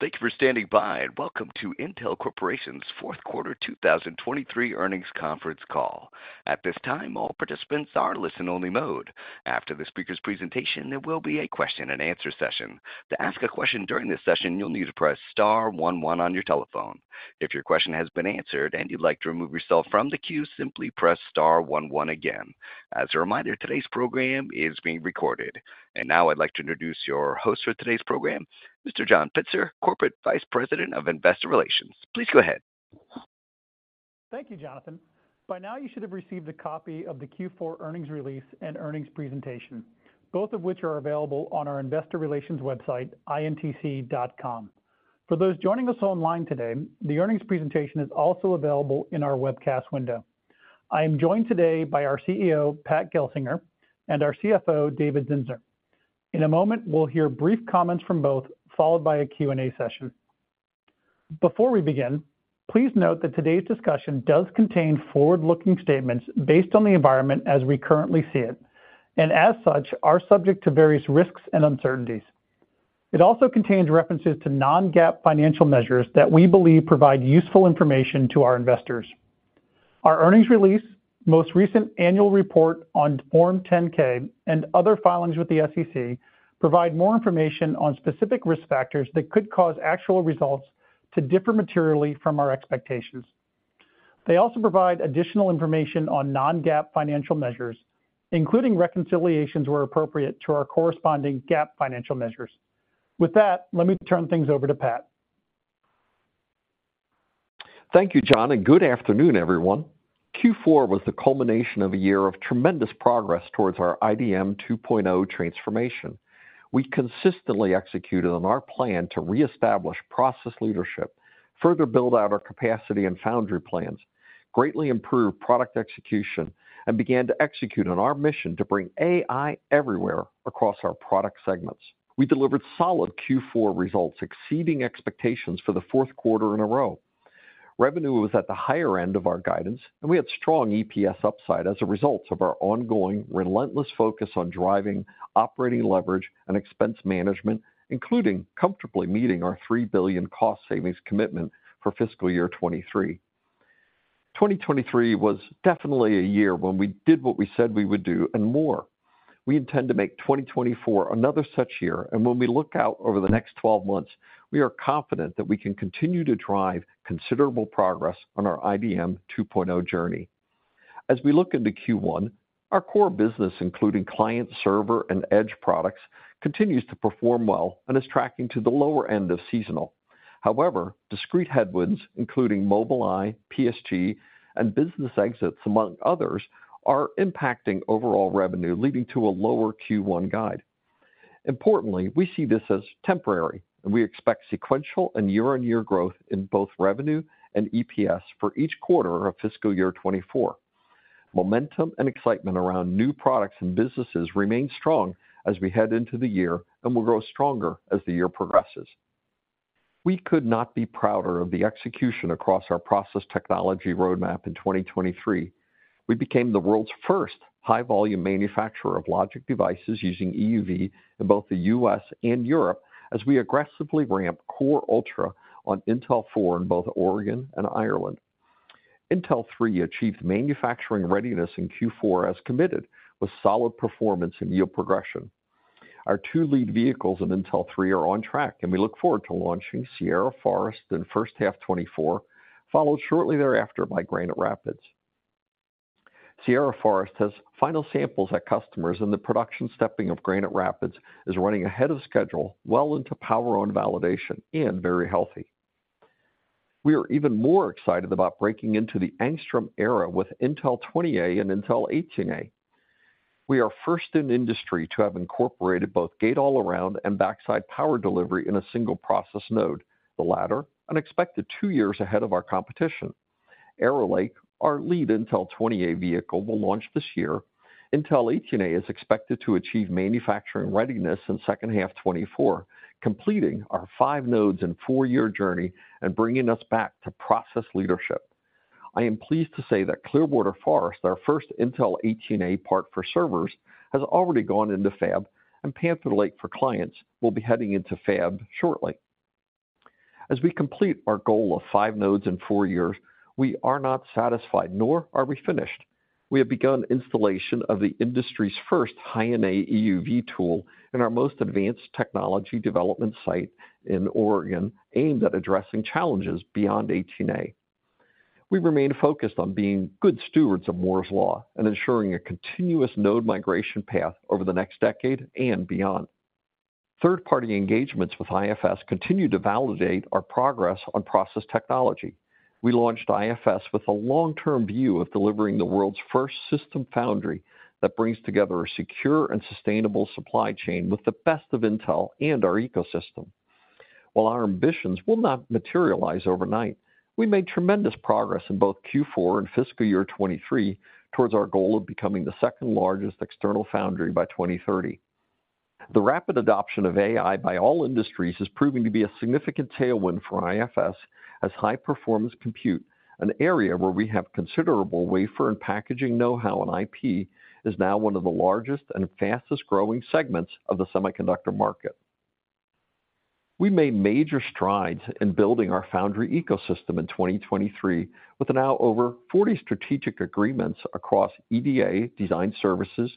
Thank you for standing by, and welcome to Intel Corporation's Fourth Quarter 2023 Earnings Conference Call. At this time, all participants are in listen-only mode. After the speaker's presentation, there will be a question-and-answer session. To ask a question during this session, you'll need to press star one one on your telephone. If your question has been answered and you'd like to remove yourself from the queue, simply press star one one again. As a reminder, today's program is being recorded. And now I'd like to introduce your host for today's program, Mr. John Pitzer, Corporate Vice President of Investor Relations. Please go ahead. Thank you, Jonathan. By now, you should have received a copy of the Q4 earnings release and earnings presentation, both of which are available on our investor relations website, intc.com. For those joining us online today, the earnings presentation is also available in our webcast window. I am joined today by our CEO, Pat Gelsinger, and our CFO, David Zinsner. In a moment, we'll hear brief comments from both, followed by a Q&A session. Before we begin, please note that today's discussion does contain forward-looking statements based on the environment as we currently see it, and as such, are subject to various risks and uncertainties. It also contains references to non-GAAP financial measures that we believe provide useful information to our investors. Our earnings release, most recent annual report on Form 10-K, and other filings with the SEC provide more information on specific risk factors that could cause actual results to differ materially from our expectations. They also provide additional information on non-GAAP financial measures, including reconciliations where appropriate, to our corresponding GAAP financial measures. With that, let me turn things over to Pat. Thank you, John, and good afternoon, everyone. Q4 was the culmination of a year of tremendous progress towards our IDM 2.0 transformation. We consistently executed on our plan to reestablish process leadership, further build out our capacity and foundry plans, greatly improve product execution, and began to execute on our mission to bring AI everywhere across our product segments. We delivered solid Q4 results, exceeding expectations for the fourth quarter in a row. Revenue was at the higher end of our guidance, and we had strong EPS upside as a result of our ongoing, relentless focus on driving operating leverage and expense management, including comfortably meeting our $3 billion cost savings commitment for fiscal year 2023. 2023 was definitely a year when we did what we said we would do and more. We intend to make 2024 another such year, and when we look out over the next 12 months, we are confident that we can continue to drive considerable progress on our IDM 2.0 journey. As we look into Q1, our core business, including client, server, and edge products, continues to perform well and is tracking to the lower end of seasonal. However, discrete headwinds, including Mobileye, PSG, and business exits, among others, are impacting overall revenue, leading to a lower Q1 guide. Importantly, we see this as temporary, and we expect sequential and YoY growth in both revenue and EPS for each quarter of fiscal year 2024. Momentum and excitement around new products and businesses remain strong as we head into the year and will grow stronger as the year progresses. We could not be prouder of the execution across our process technology roadmap in 2023. We became the world's first high-volume manufacturer of logic devices using EUV in both the U.S. and Europe, as we aggressively ramp Core Ultra on Intel 4 in both Oregon and Ireland. Intel 3 achieved manufacturing readiness in Q4 as committed, with solid performance and yield progression. Our two lead vehicles in Intel 3 are on track, and we look forward to launching Sierra Forest in first half 2024, followed shortly thereafter by Granite Rapids. Sierra Forest has final samples at customers, and the production stepping of Granite Rapids is running ahead of schedule, well into power-on validation and very healthy. We are even more excited about breaking into the Angstrom Era with Intel 20A and Intel 18A. We are first in industry to have incorporated both gate-all-around and backside power delivery in a single process node, the latter an expected two years ahead of our competition. Arrow Lake, our lead Intel 20A vehicle, will launch this year. Intel 18A is expected to achieve manufacturing readiness in second half 2024, completing our 5 nodes and 4-year journey and bringing us back to process leadership. I am pleased to say that Clearwater Forest, our first Intel 18A part for servers, has already gone into fab, and Panther Lake for clients will be heading into fab shortly. As we complete our goal of 5 nodes in 4 years, we are not satisfied, nor are we finished. We have begun installation of the industry's first high-NA EUV tool in our most advanced technology development site in Oregon, aimed at addressing challenges beyond 18A. We remain focused on being good stewards of Moore's Law and ensuring a continuous node migration path over the next decade and beyond. Third-party engagements with IFS continue to validate our progress on process technology. We launched IFS with a long-term view of delivering the world's first system foundry that brings together a secure and sustainable supply chain with the best of Intel and our ecosystem. While our ambitions will not materialize overnight, we made tremendous progress in both Q4 and fiscal year 2023 towards our goal of becoming the second largest external foundry by 2030. The rapid adoption of AI by all industries is proving to be a significant tailwind for IFS, as high-performance compute, an area where we have considerable wafer and packaging know-how and IP, is now one of the largest and fastest-growing segments of the semiconductor market. We made major strides in building our foundry ecosystem in 2023, with now over 40 strategic agreements across EDA, design services,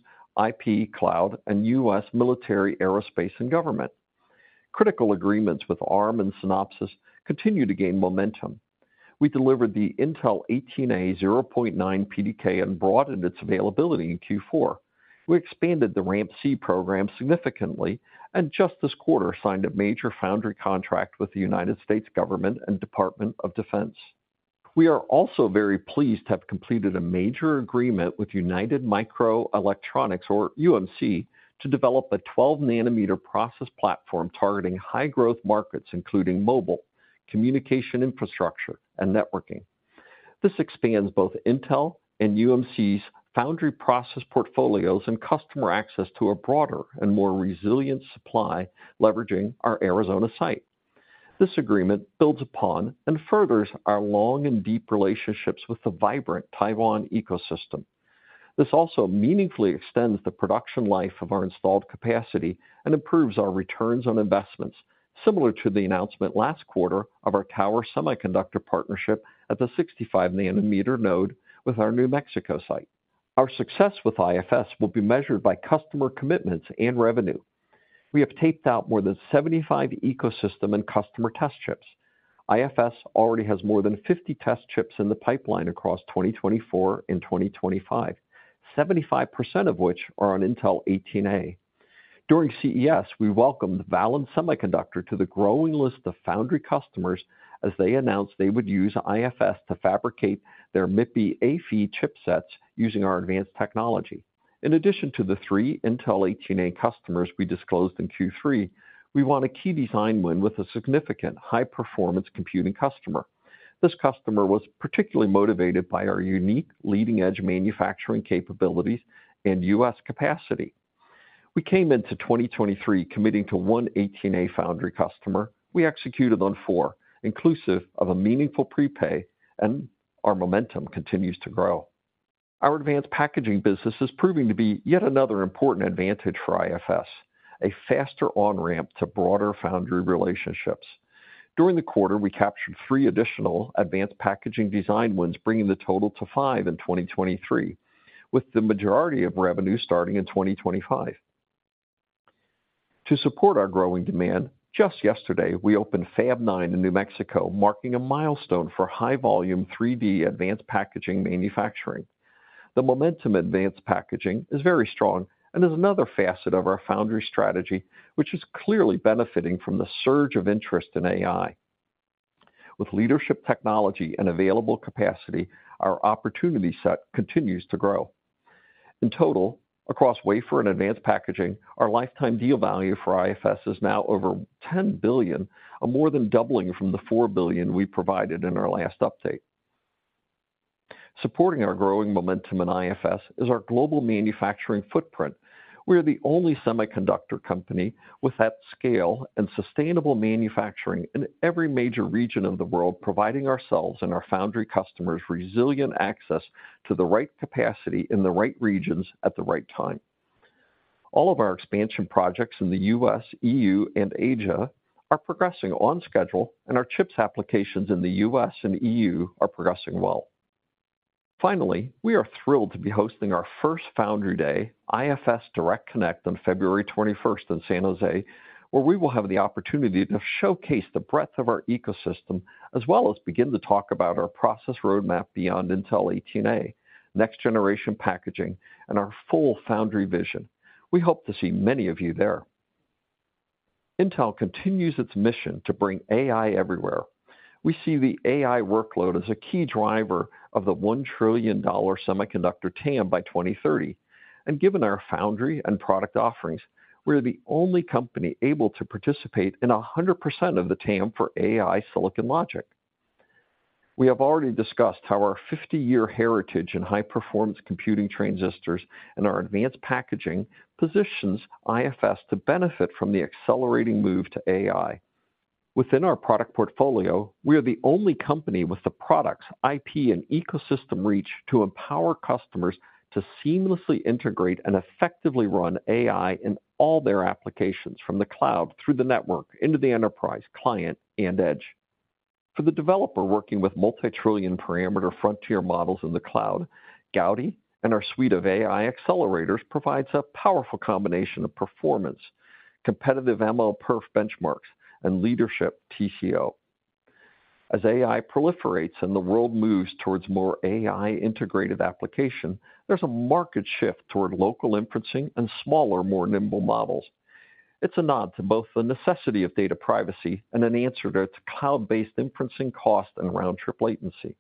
IP, cloud, and U.S. military, aerospace, and government. Critical agreements with Arm and Synopsys continue to gain momentum. We delivered the Intel 18A 0.9 PDK and broadened its availability in Q4. We expanded the RAMP-C program significantly, and just this quarter, signed a major foundry contract with the United States government and Department of Defense. We are also very pleased to have completed a major agreement with United Microelectronics, or UMC, to develop a 12-nanometer process platform targeting high-growth markets, including mobile, communication infrastructure, and networking. This expands both Intel and UMC's foundry process portfolios and customer access to a broader and more resilient supply, leveraging our Arizona site. This agreement builds upon and furthers our long and deep relationships with the vibrant Taiwan ecosystem. This also meaningfully extends the production life of our installed capacity and improves our returns on investments, similar to the announcement last quarter of our Tower Semiconductor partnership at the 65-nanometer node with our New Mexico site. Our success with IFS will be measured by customer commitments and revenue. We have taped out more than 75 ecosystem and customer test chips. IFS already has more than 50 test chips in the pipeline across 2024 and 2025, 75% of which are on Intel 18A. During CES, we welcomed Valens Semiconductor to the growing list of foundry customers as they announced they would use IFS to fabricate their MIPI A-PHY chipsets using our advanced technology. In addition to the three Intel 18A customers we disclosed in Q3, we won a key design win with a significant high-performance computing customer. This customer was particularly motivated by our unique leading-edge manufacturing capabilities and U.S. capacity. We came into 2023 committing to 1 18A foundry customer. We executed on 4, inclusive of a meaningful prepay, and our momentum continues to grow. Our advanced packaging business is proving to be yet another important advantage for IFS, a faster on-ramp to broader foundry relationships. During the quarter, we captured 3 additional advanced packaging design wins, bringing the total to 5 in 2023, with the majority of revenue starting in 2025. To support our growing demand, just yesterday, we opened Fab 9 in New Mexico, marking a milestone for high-volume 3D advanced packaging manufacturing. The momentum in advanced packaging is very strong and is another facet of our foundry strategy, which is clearly benefiting from the surge of interest in AI. With leadership technology and available capacity, our opportunity set continues to grow. In total, across wafer and advanced packaging, our lifetime deal value for IFS is now over $10 billion, more than doubling from the $4 billion we provided in our last update. Supporting our growing momentum in IFS is our global manufacturing footprint. We are the only semiconductor company with that scale and sustainable manufacturing in every major region of the world, providing ourselves and our foundry customers resilient access to the right capacity in the right regions at the right time. All of our expansion projects in the U.S., E.U., and Asia are progressing on schedule, and our CHIPS applications in the U.S. and E.U. are progressing well. Finally, we are thrilled to be hosting our first Foundry Day, IFS Direct Connect, on February 21 in San Jose, where we will have the opportunity to showcase the breadth of our ecosystem, as well as begin to talk about our process roadmap beyond Intel 18A, next-generation packaging, and our full foundry vision. We hope to see many of you there. Intel continues its mission to bring AI everywhere. We see the AI workload as a key driver of the $1 trillion semiconductor TAM by 2030, and given our foundry and product offerings, we're the only company able to participate in 100% of the TAM for AI silicon logic. We have already discussed how our 50-year heritage in high-performance computing transistors and our advanced packaging positions IFS to benefit from the accelerating move to AI. Within our product portfolio, we are the only company with the products, IP, and ecosystem reach to empower customers to seamlessly integrate and effectively run AI in all their applications, from the cloud through the network into the enterprise, client, and edge. For the developer working with multi-trillion parameter frontier models in the cloud, Gaudi and our suite of AI accelerators provides a powerful combination of performance, competitive MLPerf benchmarks, and leadership TCO. As AI proliferates and the world moves towards more AI-integrated application, there's a market shift toward local inferencing and smaller, more nimble models. It's a nod to both the necessity of data privacy and an answer to cloud-based inferencing cost and round-trip latency.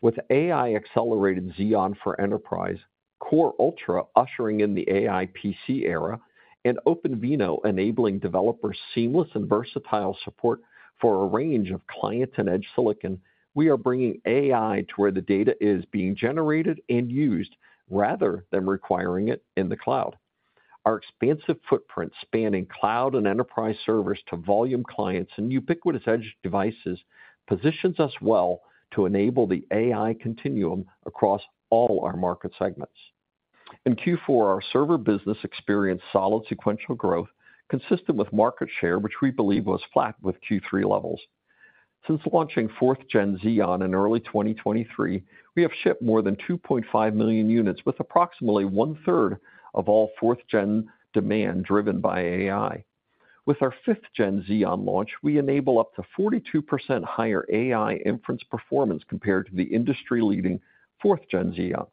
With AI-accelerated Xeon for enterprise, Core Ultra ushering in the AI PC era, and OpenVINO enabling developers seamless and versatile support for a range of client and edge silicon, we are bringing AI to where the data is being generated and used rather than requiring it in the cloud. Our expansive footprint, spanning cloud and enterprise servers to volume clients and ubiquitous edge devices, positions us well to enable the AI continuum across all our market segments.... In Q4, our server business experienced solid sequential growth, consistent with market share, which we believe was flat with Q3 levels. Since launching 4th Gen Xeon in early 2023, we have shipped more than 2.5 million units, with approximately one-third of all 4th Gen demand driven by AI. With our 5th Gen Xeon launch, we enable up to 42% higher AI inference performance compared to the industry-leading 4th Gen Xeon.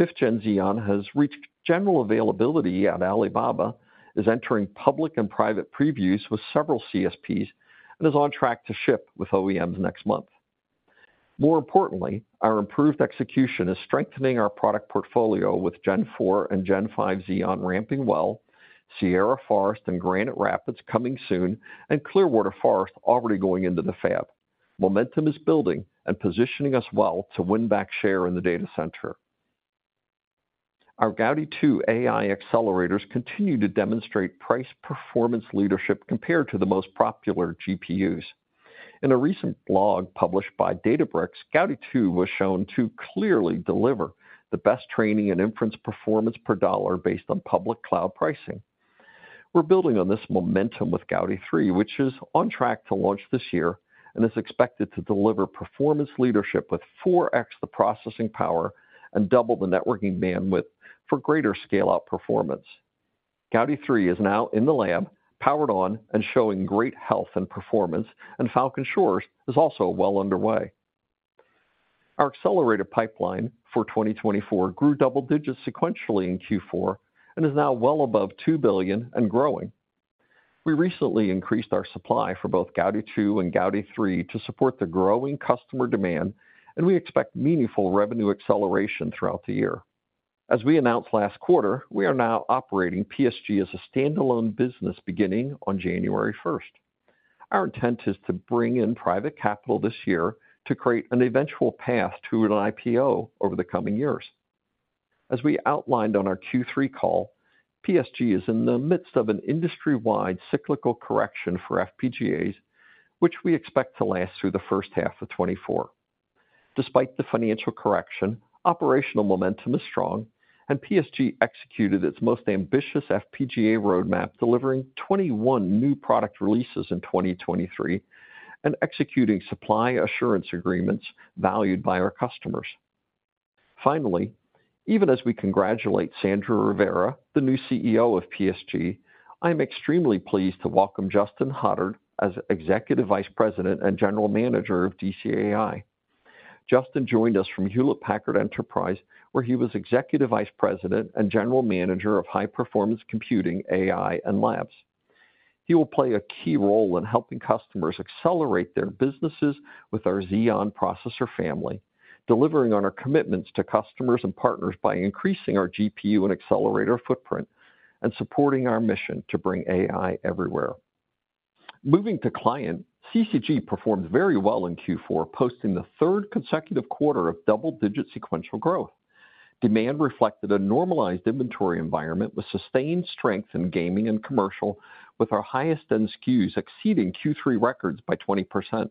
5th Gen Xeon has reached general availability at Alibaba, is entering public and private previews with several CSPs, and is on track to ship with OEMs next month. More importantly, our improved execution is strengthening our product portfolio with 4th Gen and 5th Gen Xeon ramping well, Sierra Forest and Granite Rapids coming soon, and Clearwater Forest already going into the fab. Momentum is building and positioning us well to win back share in the data center. Our Gaudi 2 AI accelerators continue to demonstrate price-performance leadership compared to the most popular GPUs. In a recent blog published by Databricks, Gaudi 2 was shown to clearly deliver the best training and inference performance per dollar based on public cloud pricing. We're building on this momentum with Gaudi 3, which is on track to launch this year and is expected to deliver performance leadership with 4x the processing power and double the networking bandwidth for greater scale-out performance. Gaudi 3 is now in the lab, powered on, and showing great health and performance, and Falcon Shores is also well underway. Our accelerator pipeline for 2024 grew double digits sequentially in Q4 and is now well above $2 billion and growing. We recently increased our supply for both Gaudi 2 and Gaudi 3 to support the growing customer demand, and we expect meaningful revenue acceleration throughout the year. As we announced last quarter, we are now operating PSG as a standalone business beginning on January 1. Our intent is to bring in private capital this year to create an eventual path to an IPO over the coming years. As we outlined on our Q3 call, PSG is in the midst of an industry-wide cyclical correction for FPGAs, which we expect to last through the first half of 2024. Despite the financial correction, operational momentum is strong, and PSG executed its most ambitious FPGA roadmap, delivering 21 new product releases in 2023 and executing supply assurance agreements valued by our customers. Finally, even as we congratulate Sandra Rivera, the new CEO of PSG, I am extremely pleased to welcome Justin Hotard as Executive Vice President and General Manager of DCAI. Justin joined us from Hewlett Packard Enterprise, where he was Executive Vice President and General Manager of High-Performance Computing, AI, and Labs. He will play a key role in helping customers accelerate their businesses with our Xeon processor family, delivering on our commitments to customers and partners by increasing our GPU and accelerator footprint and supporting our mission to bring AI everywhere. Moving to client, CCG performed very well in Q4, posting the third consecutive quarter of double-digit sequential growth. Demand reflected a normalized inventory environment with sustained strength in gaming and commercial, with our highest-end SKUs exceeding Q3 records by 20%.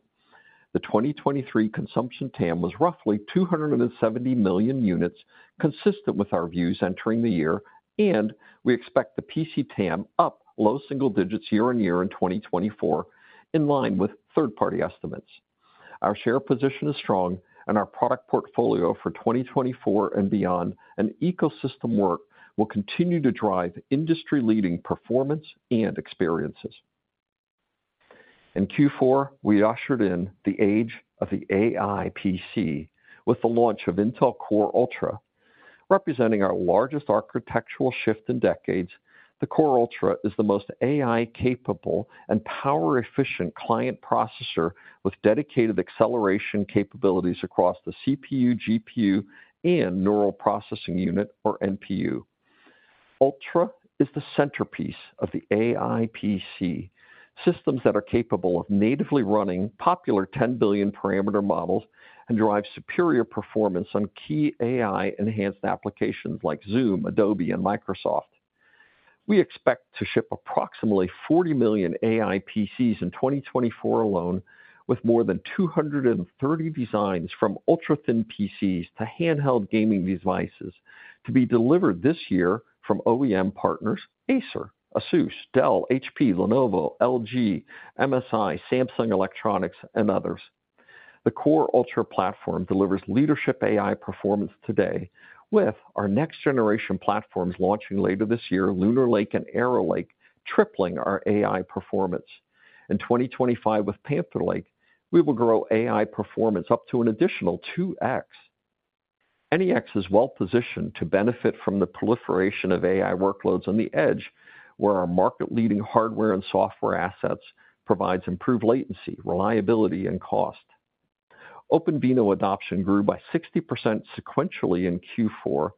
The 2023 consumption TAM was roughly 270 million units, consistent with our views entering the year, and we expect the PC TAM up low single digits YoY in 2024, in line with third-party estimates. Our share position is strong, and our product portfolio for 2024 and beyond and ecosystem work will continue to drive industry-leading performance and experiences. In Q4, we ushered in the age of the AI PC with the launch of Intel Core Ultra. Representing our largest architectural shift in decades, the Core Ultra is the most AI-capable and power-efficient client processor with dedicated acceleration capabilities across the CPU, GPU, and neural processing unit, or NPU. Ultra is the centerpiece of the AI PC, systems that are capable of natively running popular 10 billion parameter models and drive superior performance on key AI-enhanced applications like Zoom, Adobe, and Microsoft. We expect to ship approximately 40 million AI PCs in 2024 alone, with more than 230 designs from ultra-thin PCs to handheld gaming devices, to be delivered this year from OEM partners Acer, ASUS, Dell, HP, Lenovo, LG, MSI, Samsung Electronics, and others. The Core Ultra platform delivers leadership AI performance today, with our next generation platforms launching later this year, Lunar Lake and Arrow Lake, tripling our AI performance. In 2025, with Panther Lake, we will grow AI performance up to an additional 2x. NEX is well positioned to benefit from the proliferation of AI workloads on the edge, where our market-leading hardware and software assets provides improved latency, reliability, and cost. OpenVINO adoption grew by 60% sequentially in Q4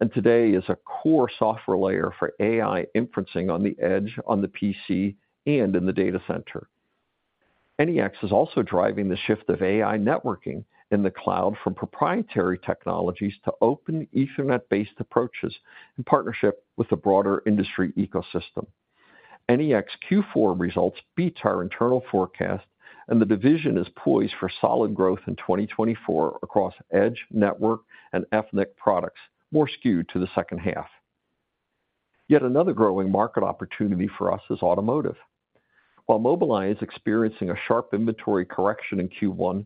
and today is a core software layer for AI inferencing on the edge, on the PC, and in the data center. NEX is also driving the shift of AI networking in the cloud from proprietary technologies to open Ethernet-based approaches in partnership with the broader industry ecosystem. NEX Q4 results beat our internal forecast, and the division is poised for solid growth in 2024 across edge, network, and Ethernet products, more skewed to the second half. Yet another growing market opportunity for us is automotive. While Mobileye is experiencing a sharp inventory correction in Q1,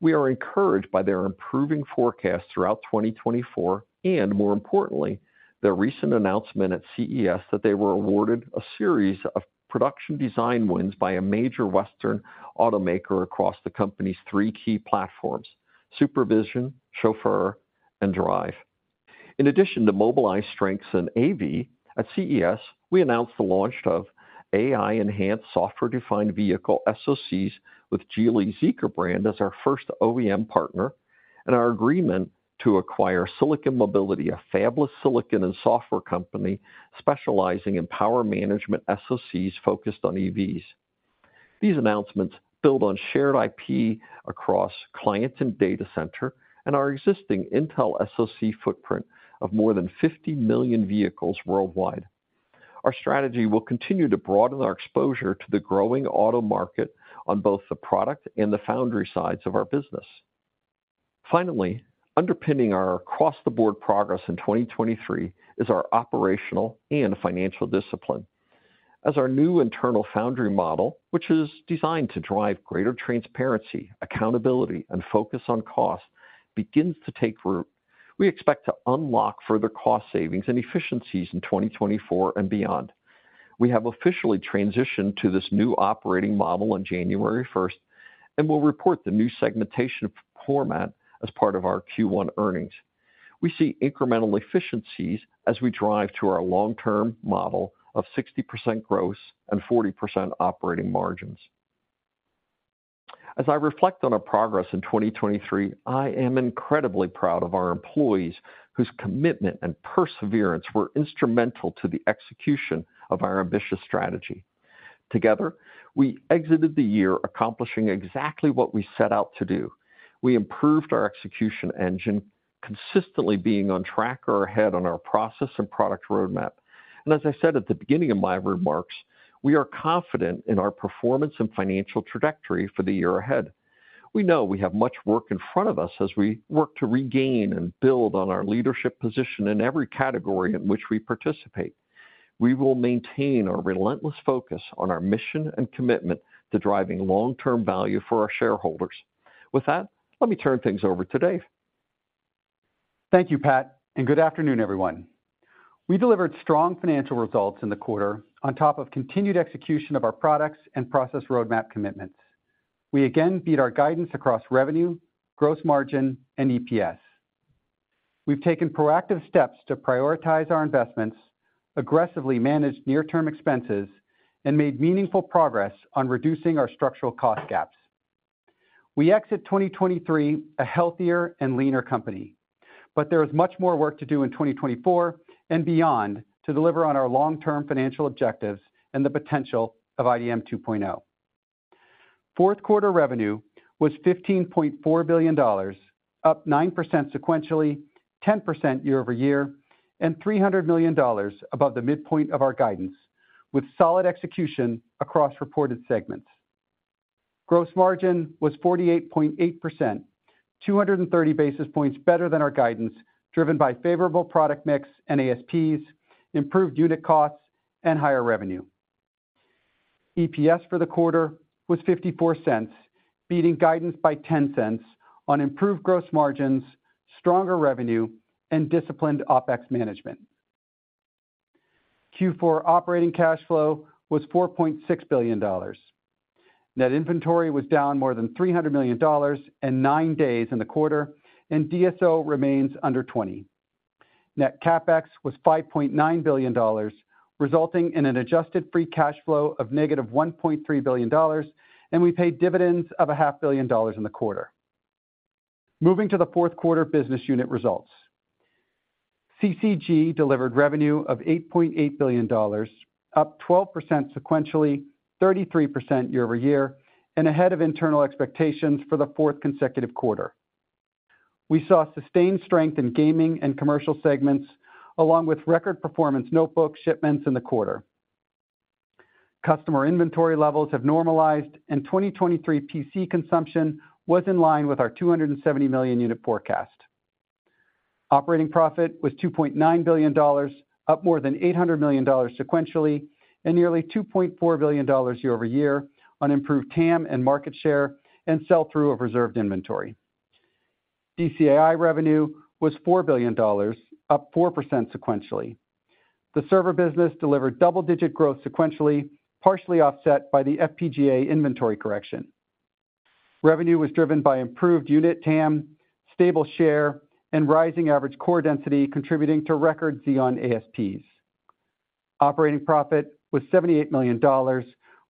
we are encouraged by their improving forecast throughout 2024 and, more importantly, their recent announcement at CES that they were awarded a series of production design wins by a major Western automaker across the company's three key platforms: SuperVision, Chauffeur, and drive. In addition to Mobileye's strengths in AV, at CES, we announced the launch of AI-enhanced software-defined vehicle SoCs with Geely Zeekr brand as our first OEM partner, and our agreement to acquire Silicon Mobility, a fabless silicon and software company specializing in power management SoCs focused on EVs. These announcements build on shared IP across clients and data center and our existing Intel SoC footprint of more than 50 million vehicles worldwide. Our strategy will continue to broaden our exposure to the growing auto market on both the product and the foundry sides of our business. Finally, underpinning our across-the-board progress in 2023 is our operational and financial discipline. As our new internal foundry model, which is designed to drive greater transparency, accountability, and focus on cost, begins to take root, we expect to unlock further cost savings and efficiencies in 2024 and beyond. We have officially transitioned to this new operating model on January 1st, and we'll report the new segmentation format as part of our Q1 earnings. We see incremental efficiencies as we drive to our long-term model of 60% gross and 40% operating margins. As I reflect on our progress in 2023, I am incredibly proud of our employees, whose commitment and perseverance were instrumental to the execution of our ambitious strategy. Together, we exited the year accomplishing exactly what we set out to do. We improved our execution engine, consistently being on track or ahead on our process and product roadmap. And as I said at the beginning of my remarks, we are confident in our performance and financial trajectory for the year ahead. We know we have much work in front of us as we work to regain and build on our leadership position in every category in which we participate. We will maintain our relentless focus on our mission and commitment to driving long-term value for our shareholders. With that, let me turn things over to Dave. Thank you, Pat, and good afternoon, everyone. We delivered strong financial results in the quarter on top of continued execution of our products and process roadmap commitments. We again beat our guidance across revenue, gross margin, and EPS. We've taken proactive steps to prioritize our investments, aggressively managed near-term expenses, and made meaningful progress on reducing our structural cost gaps. We exit 2023 a healthier and leaner company, but there is much more work to do in 2024 and beyond to deliver on our long-term financial objectives and the potential of IDM 2.0. Fourth quarter revenue was $15.4 billion, up 9% sequentially, 10% year over year, and $300 million above the midpoint of our guidance, with solid execution across reported segments. Gross margin was 48.8%, 230 basis points better than our guidance, driven by favorable product mix and ASPs, improved unit costs, and higher revenue. EPS for the quarter was $0.54, beating guidance by $0.10 on improved gross margins, stronger revenue, and disciplined OpEx management. Q4 operating cash flow was $4.6 billion. Net inventory was down more than $300 million and 9 days in the quarter, and DSO remains under 20. Net CapEx was $5.9 billion, resulting in an adjusted free cash flow of -$1.3 billion, and we paid dividends of $500 million in the quarter. Moving to the fourth quarter business unit results. CCG delivered revenue of $8.8 billion, up 12% sequentially, 33% YoY, and ahead of internal expectations for the fourth consecutive quarter. We saw sustained strength in gaming and commercial segments, along with record performance notebook shipments in the quarter. Customer inventory levels have normalized, and 2023 PC consumption was in line with our 270 million unit forecast. Operating profit was $2.9 billion, up more than $800 million sequentially and nearly $2.4 billion YoY on improved TAM and market share and sell-through of reserved inventory. DCAI revenue was $4 billion, up 4% sequentially. The server business delivered double-digit growth sequentially, partially offset by the FPGA inventory correction. Revenue was driven by improved unit TAM, stable share, and rising average core density, contributing to record Xeon ASPs. Operating profit was $78 million,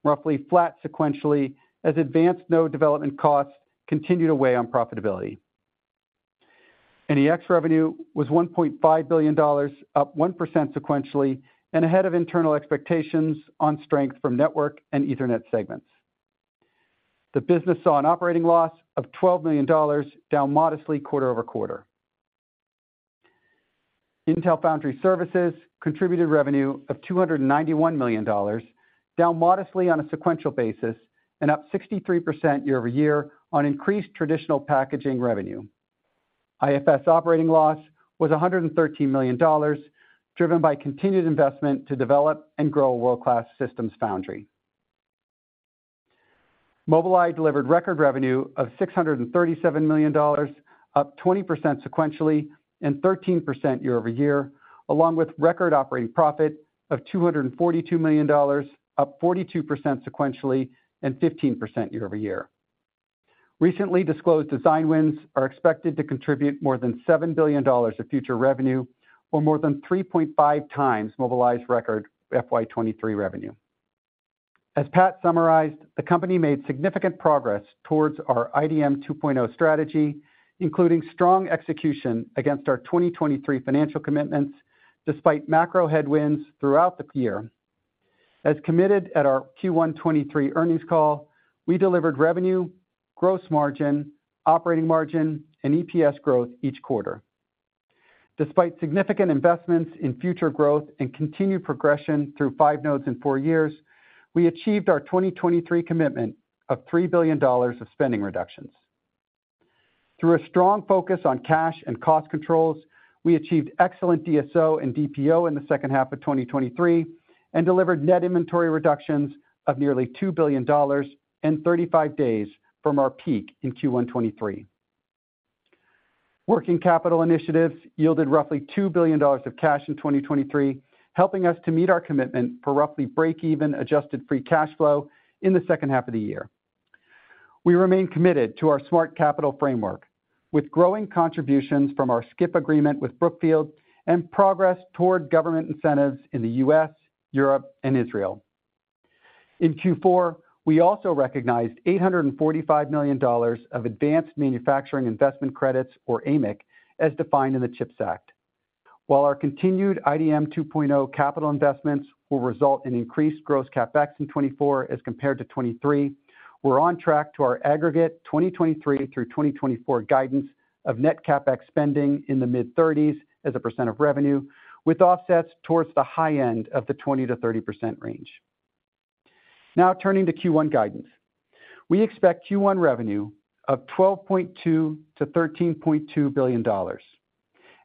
roughly flat sequentially, as advanced node development costs continued to weigh on profitability. NEX revenue was $1.5 billion, up 1% sequentially, and ahead of internal expectations on strength from network and Ethernet segments. The business saw an operating loss of $12 million, down modestly QoQ. Intel Foundry Services contributed revenue of $291 million, down modestly on a sequential basis and up 63% YoY on increased traditional packaging revenue. IFS operating loss was $113 million, driven by continued investment to develop and grow a world-class systems foundry. Mobileye delivered record revenue of $637 million, up 20% sequentially and 13% YoY, along with record operating profit of $242 million, up 42% sequentially and 15% YoY. Recently disclosed design wins are expected to contribute more than $7 billion of future revenue, or more than 3.5 times Mobileye's record FY 2023 revenue. As Pat summarized, the company made significant progress towards our IDM 2.0 strategy, including strong execution against our 2023 financial commitments, despite macro headwinds throughout the year. As committed at our Q1 2023 earnings call, we delivered revenue, gross margin, operating margin, and EPS growth each quarter. Despite significant investments in future growth and continued progression through 5 nodes in 4 years, we achieved our 2023 commitment of $3 billion of spending reductions. Through a strong focus on cash and cost controls, we achieved excellent DSO and DPO in the second half of 2023 and delivered net inventory reductions of nearly $2 billion and 35 days from our peak in Q1 2023. Working capital initiatives yielded roughly $2 billion of cash in 2023, helping us to meet our commitment for roughly breakeven adjusted free cash flow in the second half of the year. We remain committed to our Smart Capital framework, with growing contributions from our SCIP agreement with Brookfield and progress toward government incentives in the US, Europe, and Israel. In Q4, we also recognized $845 million of advanced manufacturing investment credits, or AMIC, as defined in the CHIPS Act. While our continued IDM 2.0 capital investments will result in increased gross CapEx in 2024 as compared to 2023, we're on track to our aggregate 2023 through 2024 guidance of net CapEx spending in the mid-30s% of revenue, with offsets towards the high end of the 20%-30% range. Now, turning to Q1 guidance. We expect Q1 revenue of $12.2 billion-$13.2 billion.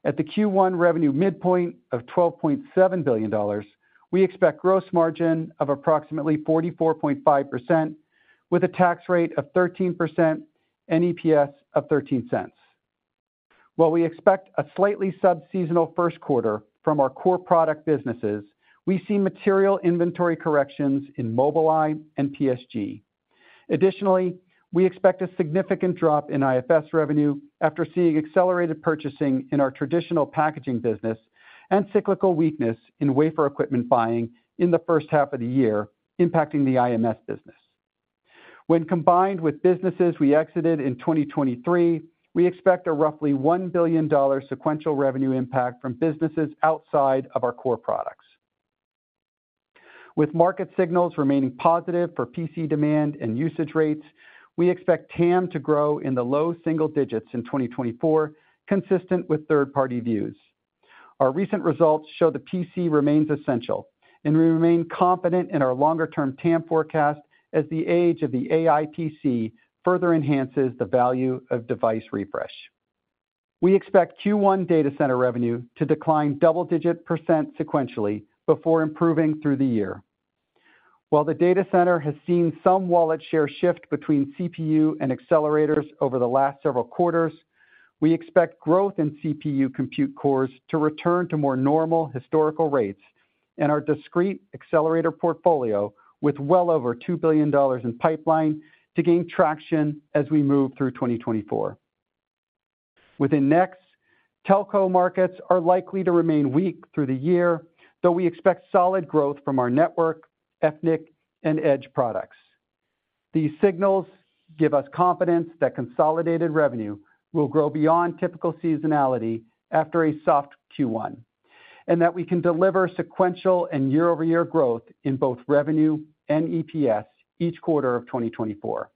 At the Q1 revenue midpoint of $12.7 billion, we expect gross margin of approximately 44.5%, with a tax rate of 13% and EPS of $0.13. While we expect a slightly sub-seasonal first quarter from our core product businesses, we see material inventory corrections in Mobileye and PSG. Additionally, we expect a significant drop in IFS revenue after seeing accelerated purchasing in our traditional packaging business and cyclical weakness in wafer equipment buying in the first half of the year, impacting the IMS business. When combined with businesses we exited in 2023, we expect a roughly $1 billion sequential revenue impact from businesses outside of our core products. With market signals remaining positive for PC demand and usage rates, we expect TAM to grow in the low single digits in 2024, consistent with third-party views. Our recent results show the PC remains essential, and we remain confident in our longer-term TAM forecast as the age of the AI PC further enhances the value of device refresh. We expect Q1 data center revenue to decline double-digit percent sequentially before improving through the year. While the data center has seen some wallet share shift between CPU and accelerators over the last several quarters, we expect growth in CPU compute cores to return to more normal historical rates and our discrete accelerator portfolio with well over $2 billion in pipeline to gain traction as we move through 2024. Within NEX, telco markets are likely to remain weak through the year, though we expect solid growth from our network, Ethernet, and edge products. These signals give us confidence that consolidated revenue will grow beyond typical seasonality after a soft Q1, and that we can deliver sequential and YoY growth in both revenue and EPS each quarter of 2024.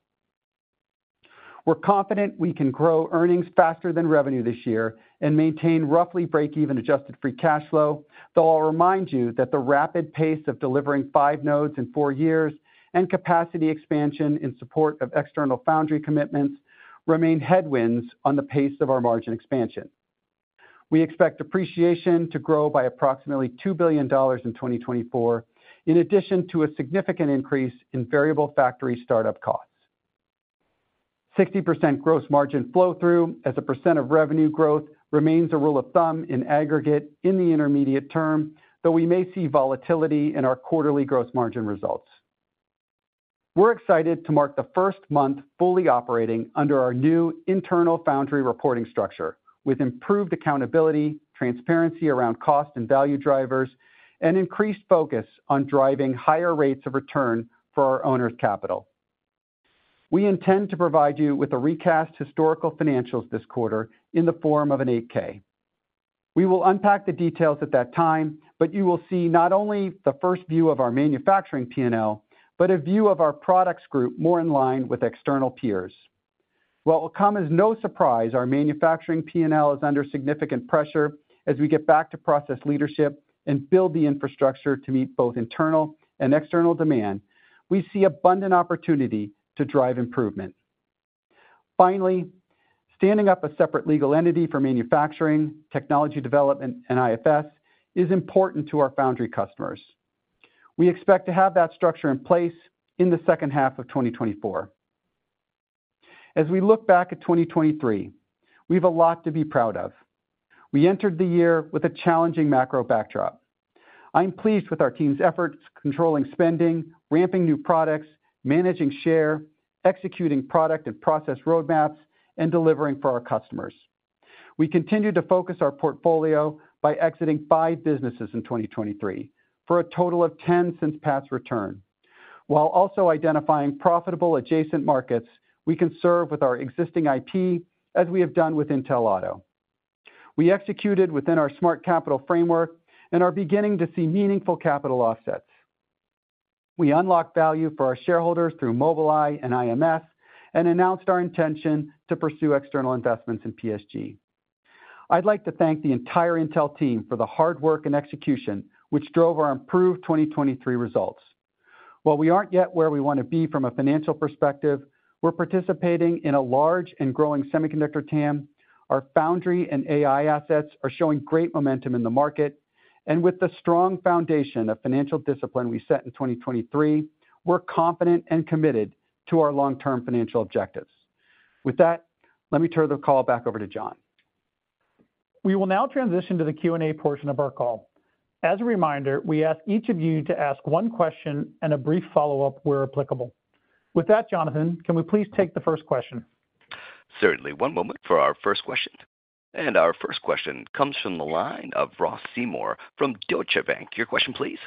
We're confident we can grow earnings faster than revenue this year and maintain roughly break-even adjusted free cash flow, though I'll remind you that the rapid pace of delivering 5 nodes in 4 years and capacity expansion in support of external foundry commitments remain headwinds on the pace of our margin expansion. We expect depreciation to grow by approximately $2 billion in 2024, in addition to a significant increase in variable factory startup costs. 60% gross margin flow through as a percent of revenue growth remains a rule of thumb in aggregate in the intermediate term, though we may see volatility in our quarterly gross margin results. We're excited to mark the first month fully operating under our new internal foundry reporting structure, with improved accountability, transparency around cost and value drivers, and increased focus on driving higher rates of return for our owners' capital. We intend to provide you with a recast historical financials this quarter in the form of an 8-K. We will unpack the details at that time, but you will see not only the first view of our manufacturing P&L, but a view of our products group more in line with external peers. ... While it will come as no surprise, our manufacturing P&L is under significant pressure as we get back to process leadership and build the infrastructure to meet both internal and external demand. We see abundant opportunity to drive improvement. Finally, standing up a separate legal entity for manufacturing, technology development, and IFS is important to our foundry customers. We expect to have that structure in place in the second half of 2024. As we look back at 2023, we have a lot to be proud of. We entered the year with a challenging macro backdrop. I'm pleased with our team's efforts, controlling spending, ramping new products, managing share, executing product and process roadmaps, and delivering for our customers. We continued to focus our portfolio by exiting five businesses in 2023, for a total of ten since Pat's return. While also identifying profitable adjacent markets, we can serve with our existing IP, as we have done with Intel Auto. We executed within our Smart Capital framework and are beginning to see meaningful capital offsets. We unlocked value for our shareholders through Mobileye and IMS, and announced our intention to pursue external investments in PSG. I'd like to thank the entire Intel team for the hard work and execution, which drove our improved 2023 results. While we aren't yet where we want to be from a financial perspective, we're participating in a large and growing semiconductor TAM. Our foundry and AI assets are showing great momentum in the market, and with the strong foundation of financial discipline we set in 2023, we're confident and committed to our long-term financial objectives. With that, let me turn the call back over to John. We will now transition to the Q&A portion of our call. As a reminder, we ask each of you to ask one question and a brief follow-up where applicable. With that, Jonathan, can we please take the first question? Certainly. One moment for our first question. Our first question comes from the line of Ross Seymore from Deutsche Bank. Your question, please.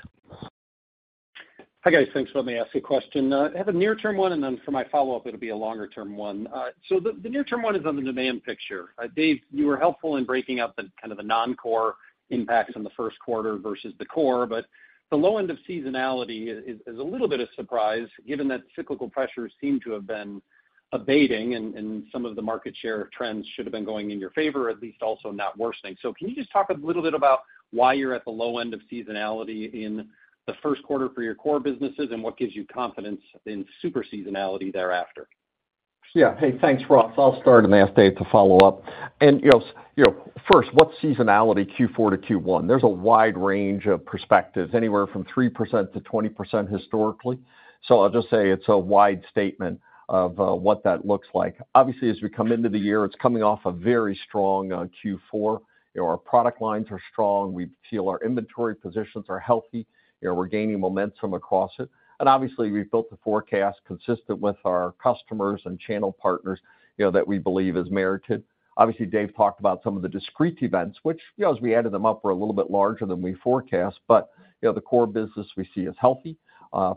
Hi, guys. Thanks for letting me ask a question. I have a near-term one, and then for my follow-up, it'll be a longer-term one. So the near-term one is on the demand picture. Dave, you were helpful in breaking up the kind of the non-core impacts in the first quarter versus the core, but the low end of seasonality is a little bit of surprise, given that cyclical pressures seem to have been abating and some of the market share trends should have been going in your favor, at least also not worsening. So can you just talk a little bit about why you're at the low end of seasonality in the first quarter for your core businesses, and what gives you confidence in super seasonality thereafter? Yeah. Hey, thanks, Ross. I'll start and ask Dave to follow up. And, you know, you know, first, what's seasonality Q4 to Q1? There's a wide range of perspectives, anywhere from 3%-20% historically. So I'll just say it's a wide statement of what that looks like. Obviously, as we come into the year, it's coming off a very strong Q4. You know, our product lines are strong. We feel our inventory positions are healthy. You know, we're gaining momentum across it. And obviously, we've built the forecast consistent with our customers and channel partners, you know, that we believe is merited. Obviously, Dave talked about some of the discrete events, which, you know, as we added them up, were a little bit larger than we forecast. But, you know, the core business we see is healthy.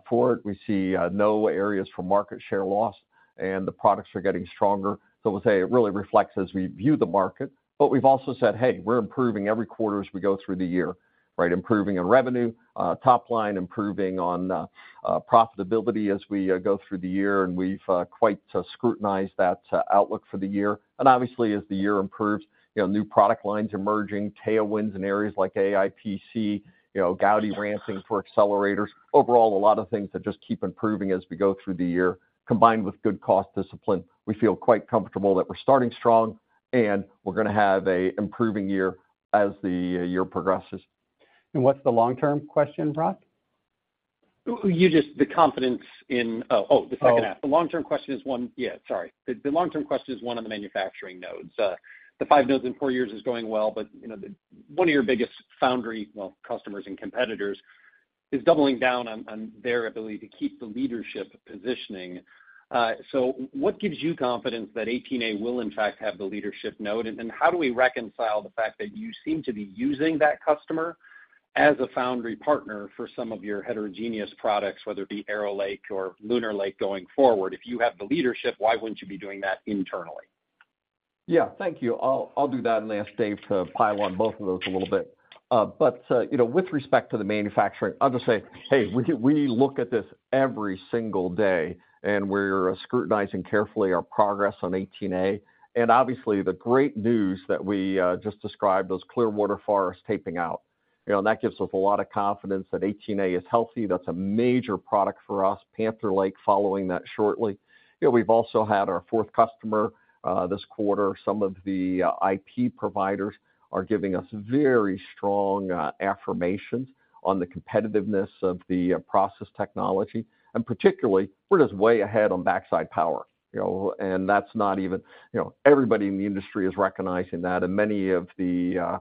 For it, we see no areas for market share loss, and the products are getting stronger. So we'll say it really reflects as we view the market, but we've also said, "Hey, we're improving every quarter as we go through the year," right? Improving on revenue, top line, improving on profitability as we go through the year, and we've quite scrutinized that outlook for the year. And obviously, as the year improves, you know, new product lines are merging, tailwinds in areas like AI PC, you know, Gaudi ramping for accelerators. Overall, a lot of things that just keep improving as we go through the year, combined with good cost discipline. We feel quite comfortable that we're starting strong and we're gonna have a improving year as the year progresses. And what's the long-term question, Ross? You just the confidence in... Oh, oh, the second half. Oh. The long-term question is one on the manufacturing nodes. The 5 nodes in 4 years is going well, but you know, one of your biggest foundry, well, customers and competitors, is doubling down on their ability to keep the leadership positioning. So what gives you confidence that 18A will in fact have the leadership node? And then how do we reconcile the fact that you seem to be using that customer as a foundry partner for some of your heterogeneous products, whether it be Arrow Lake or Lunar Lake, going forward? If you have the leadership, why wouldn't you be doing that internally? Yeah. Thank you. I'll, I'll do that and ask Dave to pile on both of those a little bit. But you know, with respect to the manufacturing, I'll just say, hey, we look at this every single day, and we're scrutinizing carefully our progress on 18A. And obviously, the great news that we just described, those Clearwater Forest tape out. You know, that gives us a lot of confidence that 18A is healthy. That's a major product for us, Panther Lake, following that shortly. You know, we've also had our fourth customer this quarter. Some of the IP providers are giving us very strong affirmations on the competitiveness of the process technology, and particularly, we're just way ahead on backside power, you know? And that's not even. You know, everybody in the industry is recognizing that, and many of the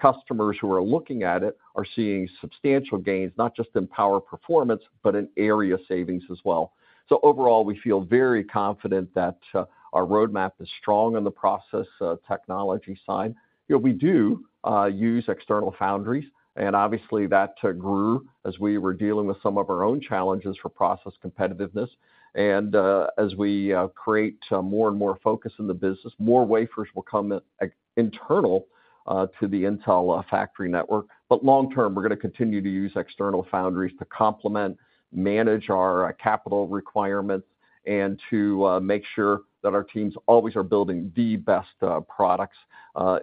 customers who are looking at it are seeing substantial gains, not just in power performance, but in area savings as well. So overall, we feel very confident that our roadmap is strong on the process technology side. You know, we do use external foundries, and obviously, that grew as we were dealing with some of our own challenges for process competitiveness. As we create more and more focus in the business, more wafers will come in internal to the Intel factory network. But long term, we're gonna continue to use external foundries to complement, manage our capital requirements, and to make sure that our teams always are building the best products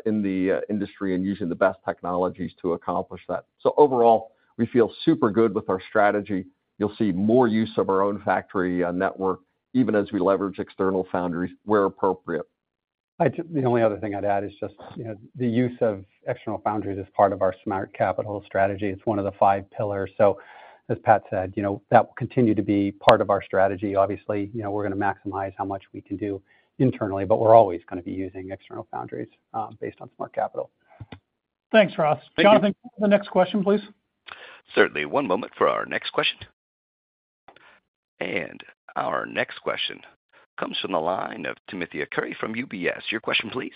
in the industry and using the best technologies to accomplish that. So overall, we feel super good with our strategy. You'll see more use of our own factory network, even as we leverage external foundries where appropriate. ... the only other thing I'd add is just, you know, the use of external foundries as part of our Smart Capital strategy. It's one of the five pillars. So as Pat said, you know, that will continue to be part of our strategy. Obviously, you know, we're going to maximize how much we can do internally, but we're always going to be using external foundries, based on Smart Capital. Thanks, Ross. Thank you. Jonathan, the next question, please. Certainly. One moment for our next question. Our next question comes from the line of Timothy Arcuri from UBS. Your question please.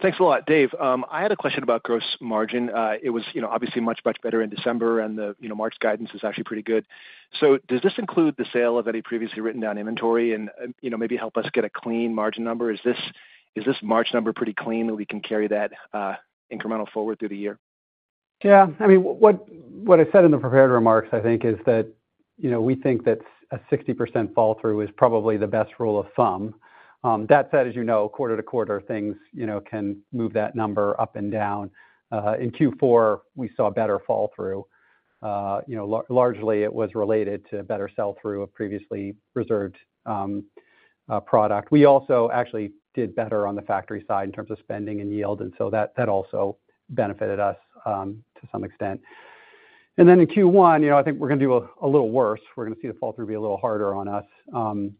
Thanks a lot, Dave. I had a question about gross margin. It was, you know, obviously much, much better in December, and the, you know, March guidance is actually pretty good. So does this include the sale of any previously written-down inventory? And, you know, maybe help us get a clean margin number. Is this, is this March number pretty clean, that we can carry that, incremental forward through the year? Yeah. I mean, what I said in the prepared remarks, I think, is that, you know, we think that a 60% fall-through is probably the best rule of thumb. That said, as you know, quarter to quarter, things, you know, can move that number up and down. In Q4, we saw a better fall-through. You know, largely, it was related to better sell-through of previously reserved product. We also actually did better on the factory side in terms of spending and yield, and so that also benefited us to some extent. And then in Q1, you know, I think we're going to do a little worse. We're going to see the fall-through be a little harder on us. And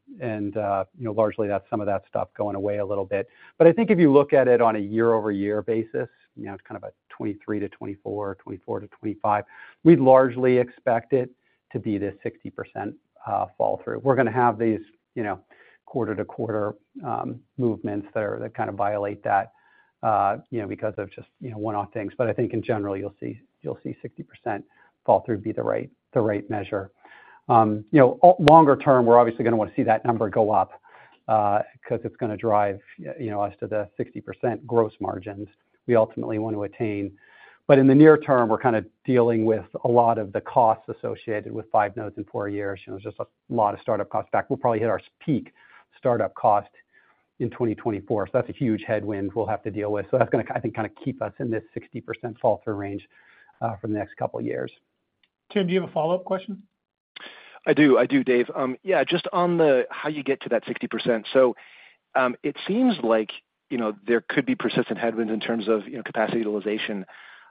you know, largely, that's some of that stuff going away a little bit. But I think if you look at it on a YoY basis, you know, it's kind of a 23-24, 24-25. We'd largely expect it to be this 60% fall-through. We're going to have these, you know, quarter-to-quarter movements there that kind of violate that, you know, because of just, you know, one-off things. But I think in general, you'll see, you'll see 60% fall-through be the right, the right measure. You know, longer term, we're obviously going to want to see that number go up, because it's going to drive, you, you know, us to the 60% gross margins we ultimately want to attain. But in the near term, we're kind of dealing with a lot of the costs associated with 5 nodes in 4 years. You know, just a lot of startup costs. Back, we'll probably hit our peak startup cost in 2024, so that's a huge headwind we'll have to deal with. So that's going to, I think, kind of keep us in this 60% fall-through range for the next couple of years. Tim, do you have a follow-up question? I do. I do, Dave. Yeah, just on the, how you get to that 60%. So, it seems like, you know, there could be persistent headwinds in terms of, you know, capacity utilization.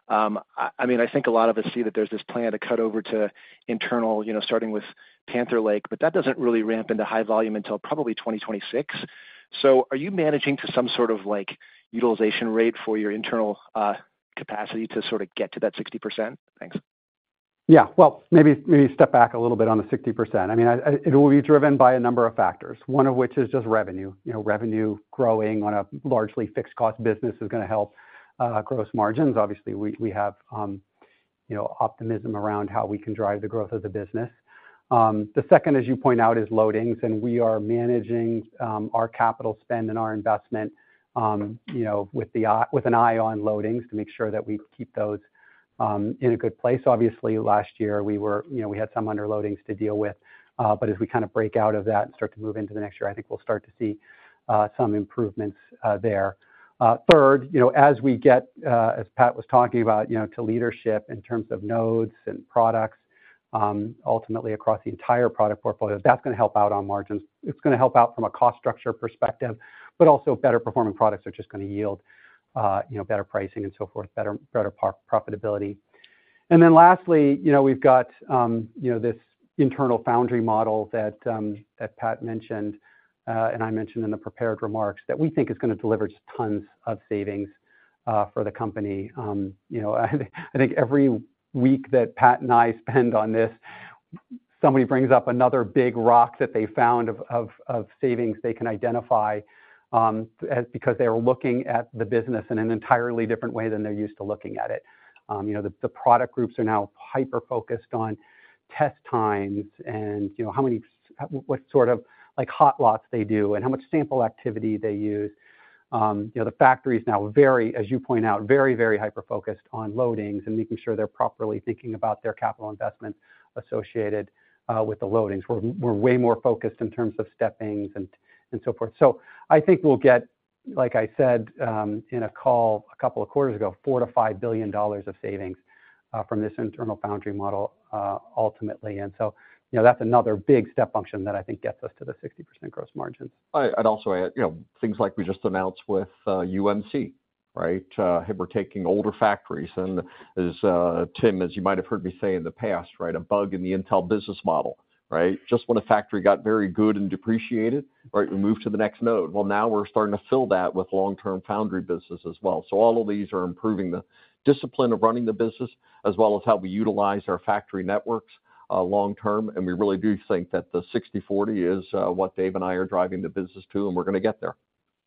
I mean, I think a lot of us see that there's this plan to cut over to internal, you know, starting with Panther Lake, but that doesn't really ramp into high volume until probably 2026. So are you managing to some sort of, like, utilization rate for your internal, capacity to sort of get to that 60%? Thanks. Yeah. Well, maybe, maybe step back a little bit on the 60%. I mean, it will be driven by a number of factors, one of which is just revenue. You know, revenue growing on a largely fixed-cost business is going to help gross margins. Obviously, we have you know, optimism around how we can drive the growth of the business. The second, as you point out, is loadings, and we are managing our capital spend and our investment you know, with an eye on loadings to make sure that we keep those in a good place. Obviously, last year, we were—you know, we had some underloadings to deal with, but as we kind of break out of that and start to move into the next year, I think we'll start to see some improvements there. Third, you know, as we get, as Pat was talking about, you know, to leadership in terms of nodes and products, ultimately across the entire product portfolio, that's going to help out on margins. It's going to help out from a cost structure perspective, but also better performing products are just going to yield, you know, better pricing and so forth, better profitability. And then lastly, you know, we've got, you know, this internal foundry model that, that Pat mentioned, and I mentioned in the prepared remarks, that we think is going to deliver just tons of savings, for the company. You know, I think every week that Pat and I spend on this, somebody brings up another big rock that they found of savings they can identify, as because they were looking at the business in an entirely different way than they're used to looking at it. You know, the product groups are now hyper-focused on test times and, you know, how many... What sort of, like, hot lots they do, and how much sample activity they use. You know, the factory is now very, as you point out, very, very hyper-focused on loadings and making sure they're properly thinking about their capital investment associated with the loadings. We're way more focused in terms of steppings and so forth. So I think we'll get, like I said, in a call a couple of quarters ago, $4 billion-$5 billion of savings from this internal foundry model ultimately. And so, you know, that's another big step function that I think gets us to the 60% gross margins. I'd also add, you know, things like we just announced with UMC, right? We're taking older factories, and as Tim, as you might have heard me say in the past, right, a bug in the Intel business model, right? Just when a factory got very good and depreciated, right, we move to the next node. Well, now we're starting to fill that with long-term foundry business as well. So all of these are improving the discipline of running the business, as well as how we utilize our factory networks long term. And we really do think that the 60/40 is what Dave and I are driving the business to, and we're going to get there.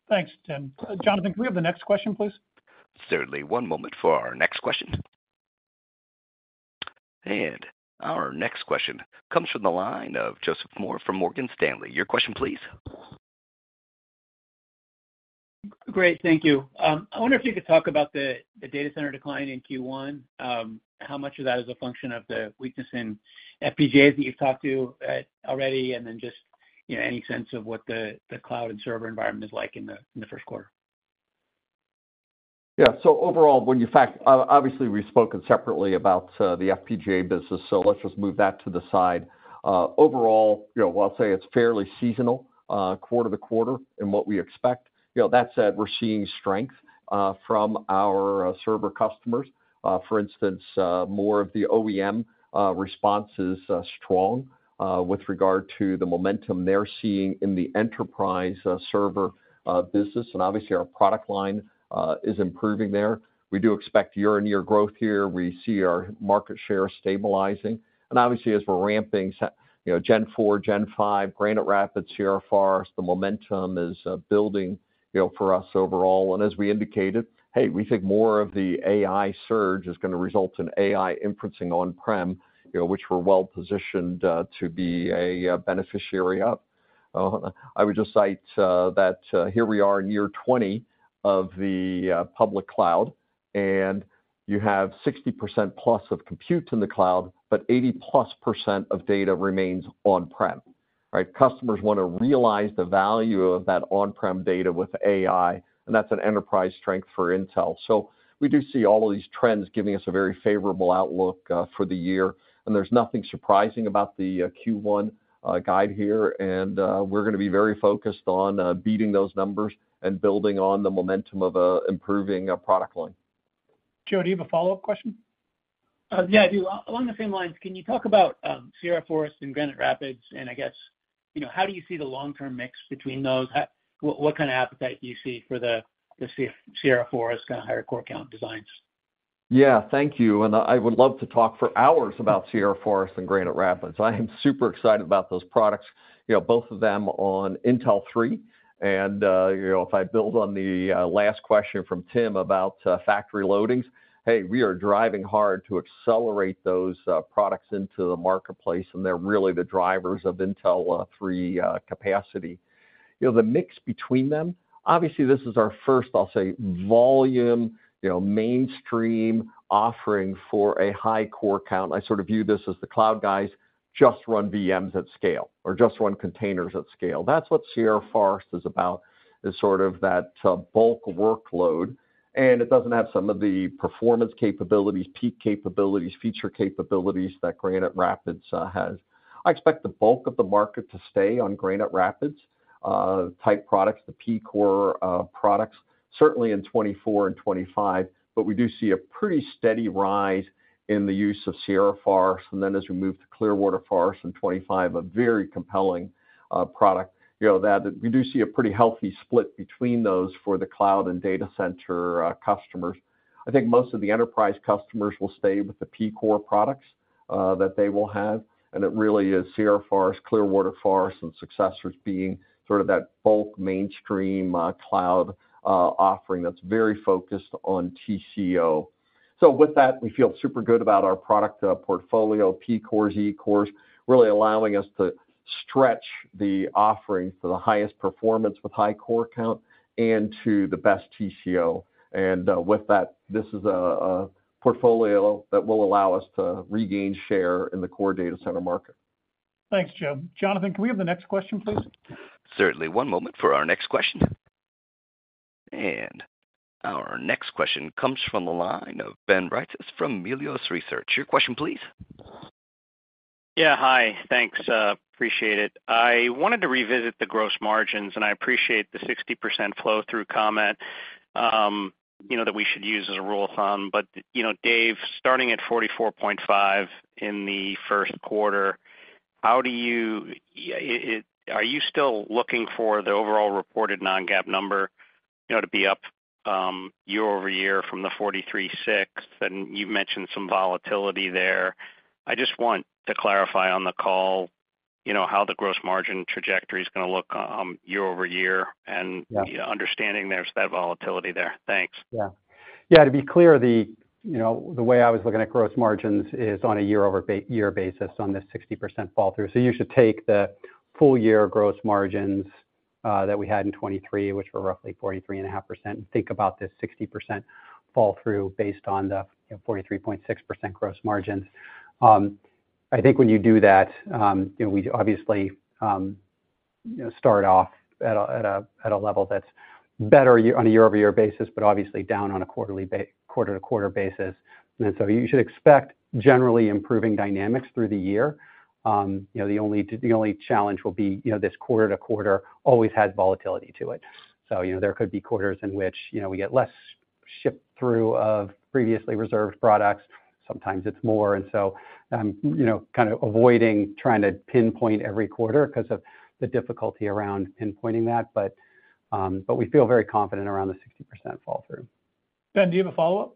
Thanks, Tim. Jonathan, can we have the next question, please? Certainly. One moment for our next question. Our next question comes from the line of Joseph Moore from Morgan Stanley. Your question please. Great. Thank you. I wonder if you could talk about the data center decline in Q1. How much of that is a function of the weakness in FPGAs that you've talked to already? And then just, you know, any sense of what the cloud and server environment is like in the first quarter? ... Yeah, so overall, when you factor, obviously, we've spoken separately about the FPGA business, so let's just move that to the side. Overall, you know, I'll say it's fairly seasonal quarter to quarter in what we expect. You know, that said, we're seeing strength from our server customers. For instance, more of the OEM response is strong with regard to the momentum they're seeing in the enterprise server business. And obviously, our product line is improving there. We do expect YoY growth here. We see our market share stabilizing. And obviously, as we're ramping, you know, 4th Gen, 5th Gen, Granite Rapids, Sierra Forest, the momentum is building, you know, for us overall. As we indicated, hey, we think more of the AI surge is going to result in AI inferencing on-prem, you know, which we're well-positioned to be a beneficiary of. I would just cite that here we are in year 20 of the public cloud, and you have 60%+ of compute in the cloud, but 80%+ of data remains on-prem, right? Customers want to realize the value of that on-prem data with AI, and that's an enterprise strength for Intel. So we do see all of these trends giving us a very favorable outlook for the year, and there's nothing surprising about the Q1 guide here. We're going to be very focused on beating those numbers and building on the momentum of improving our product line. Joe, do you have a follow-up question? Yeah, I do. Along the same lines, can you talk about Sierra Forest and Granite Rapids, and I guess, you know, how do you see the long-term mix between those? What kind of appetite do you see for the Sierra Forest, kind of, higher core count designs? Yeah, thank you. And I would love to talk for hours about Sierra Forest and Granite Rapids. I am super excited about those products, you know, both of them on Intel 3. And you know, if I build on the last question from Tim about factory loadings, hey, we are driving hard to accelerate those products into the marketplace, and they're really the drivers of Intel 3 capacity. You know, the mix between them, obviously, this is our first, I'll say, volume, you know, mainstream offering for a high core count. I sort of view this as the cloud guys just run VMs at scale or just run containers at scale. That's what Sierra Forest is about, is sort of that bulk workload, and it doesn't have some of the performance capabilities, peak capabilities, feature capabilities that Granite Rapids has. I expect the bulk of the market to stay on Granite Rapids type products, the P-core products, certainly in 2024 and 2025, but we do see a pretty steady rise in the use of Sierra Forest, and then as we move to Clearwater Forest in 2025, a very compelling product. You know, that we do see a pretty healthy split between those for the cloud and data center customers. I think most of the enterprise customers will stay with the P-core products that they will have, and it really is Sierra Forest, Clearwater Forest, and successors being sort of that bulk mainstream cloud offering that's very focused on TCO. So with that, we feel super good about our product portfolio, P-cores, E-cores, really allowing us to stretch the offerings to the highest performance with high core count and to the best TCO. With that, this is a portfolio that will allow us to regain share in the core data center market. Thanks, Joe. Jonathan, can we have the next question, please? Certainly. One moment for our next question. And our next question comes from the line of Ben Reitzes from Melius Research. Your question, please. Yeah, hi. Thanks, appreciate it. I wanted to revisit the gross margins, and I appreciate the 60% flow-through comment, you know, that we should use as a rule of thumb. But, you know, Dave, starting at 44.5 in the first quarter, how do you-- Are you still looking for the overall reported non-GAAP number, you know, to be up, YoY from the 43.6? And you've mentioned some volatility there. I just want to clarify on the call, you know, how the gross margin trajectory is going to look, YoY, and- Yeah. Understanding there's that volatility there. Thanks. Yeah. Yeah, to be clear, you know, the way I was looking at gross margins is on a YoY basis on this 60% fall through. So you should take the full year gross margins that we had in 2023, which were roughly 43.5%, and think about this 60% fall through based on the, you know, 43.6% gross margin. I think when you do that, you know, we obviously, you know, start off at a level that's better on a YoY basis, but obviously down on a quarter-to-quarter basis. And so you should expect generally improving dynamics through the year. You know, the only challenge will be, you know, this quarter-to-quarter always has volatility to it. So, you know, there could be quarters in which, you know, we get less ship-through of previously reserved products. Sometimes it's more, and so, you know, kind of avoiding trying to pinpoint every quarter because of the difficulty around pinpointing that. But, but we feel very confident around the 60% fall through. Ben, do you have a follow-up?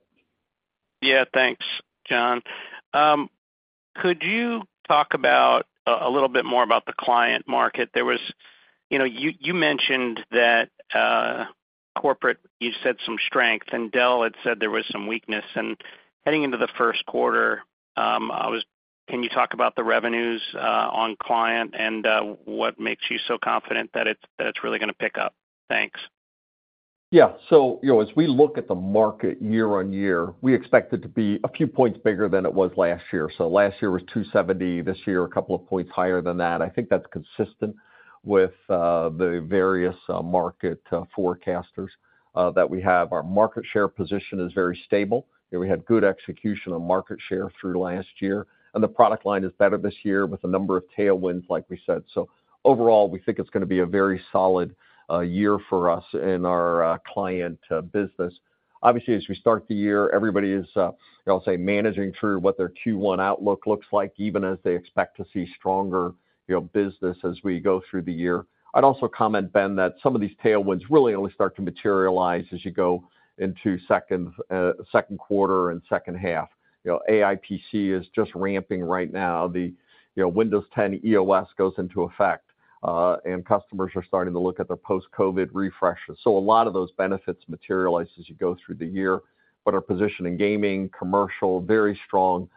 Yeah. Thanks, John. Could you talk about a little bit more about the client market? There was. You know, you mentioned that corporate, you said some strength, and Dell had said there was some weakness. Heading into the first quarter, I was. Can you talk about the revenues on client and what makes you so confident that it's really going to pick up? Thanks. ... Yeah. So, you know, as we look at the market YoY, we expect it to be a few points bigger than it was last year. So last year was 270, this year, a couple of points higher than that. I think that's consistent with the various market forecasters that we have. Our market share position is very stable. You know, we had good execution on market share through last year, and the product line is better this year with a number of tailwinds, like we said. So overall, we think it's gonna be a very solid year for us in our client business. Obviously, as we start the year, everybody is, I'll say, managing through what their Q1 outlook looks like, even as they expect to see stronger, you know, business as we go through the year. I'd also comment, Ben, that some of these tailwinds really only start to materialize as you go into second quarter and second half. You know, AI PC is just ramping right now. The, you know, Windows 10 EOS goes into effect, and customers are starting to look at the post-COVID refreshes. So a lot of those benefits materialize as you go through the year, but our position in gaming, commercial, very strong,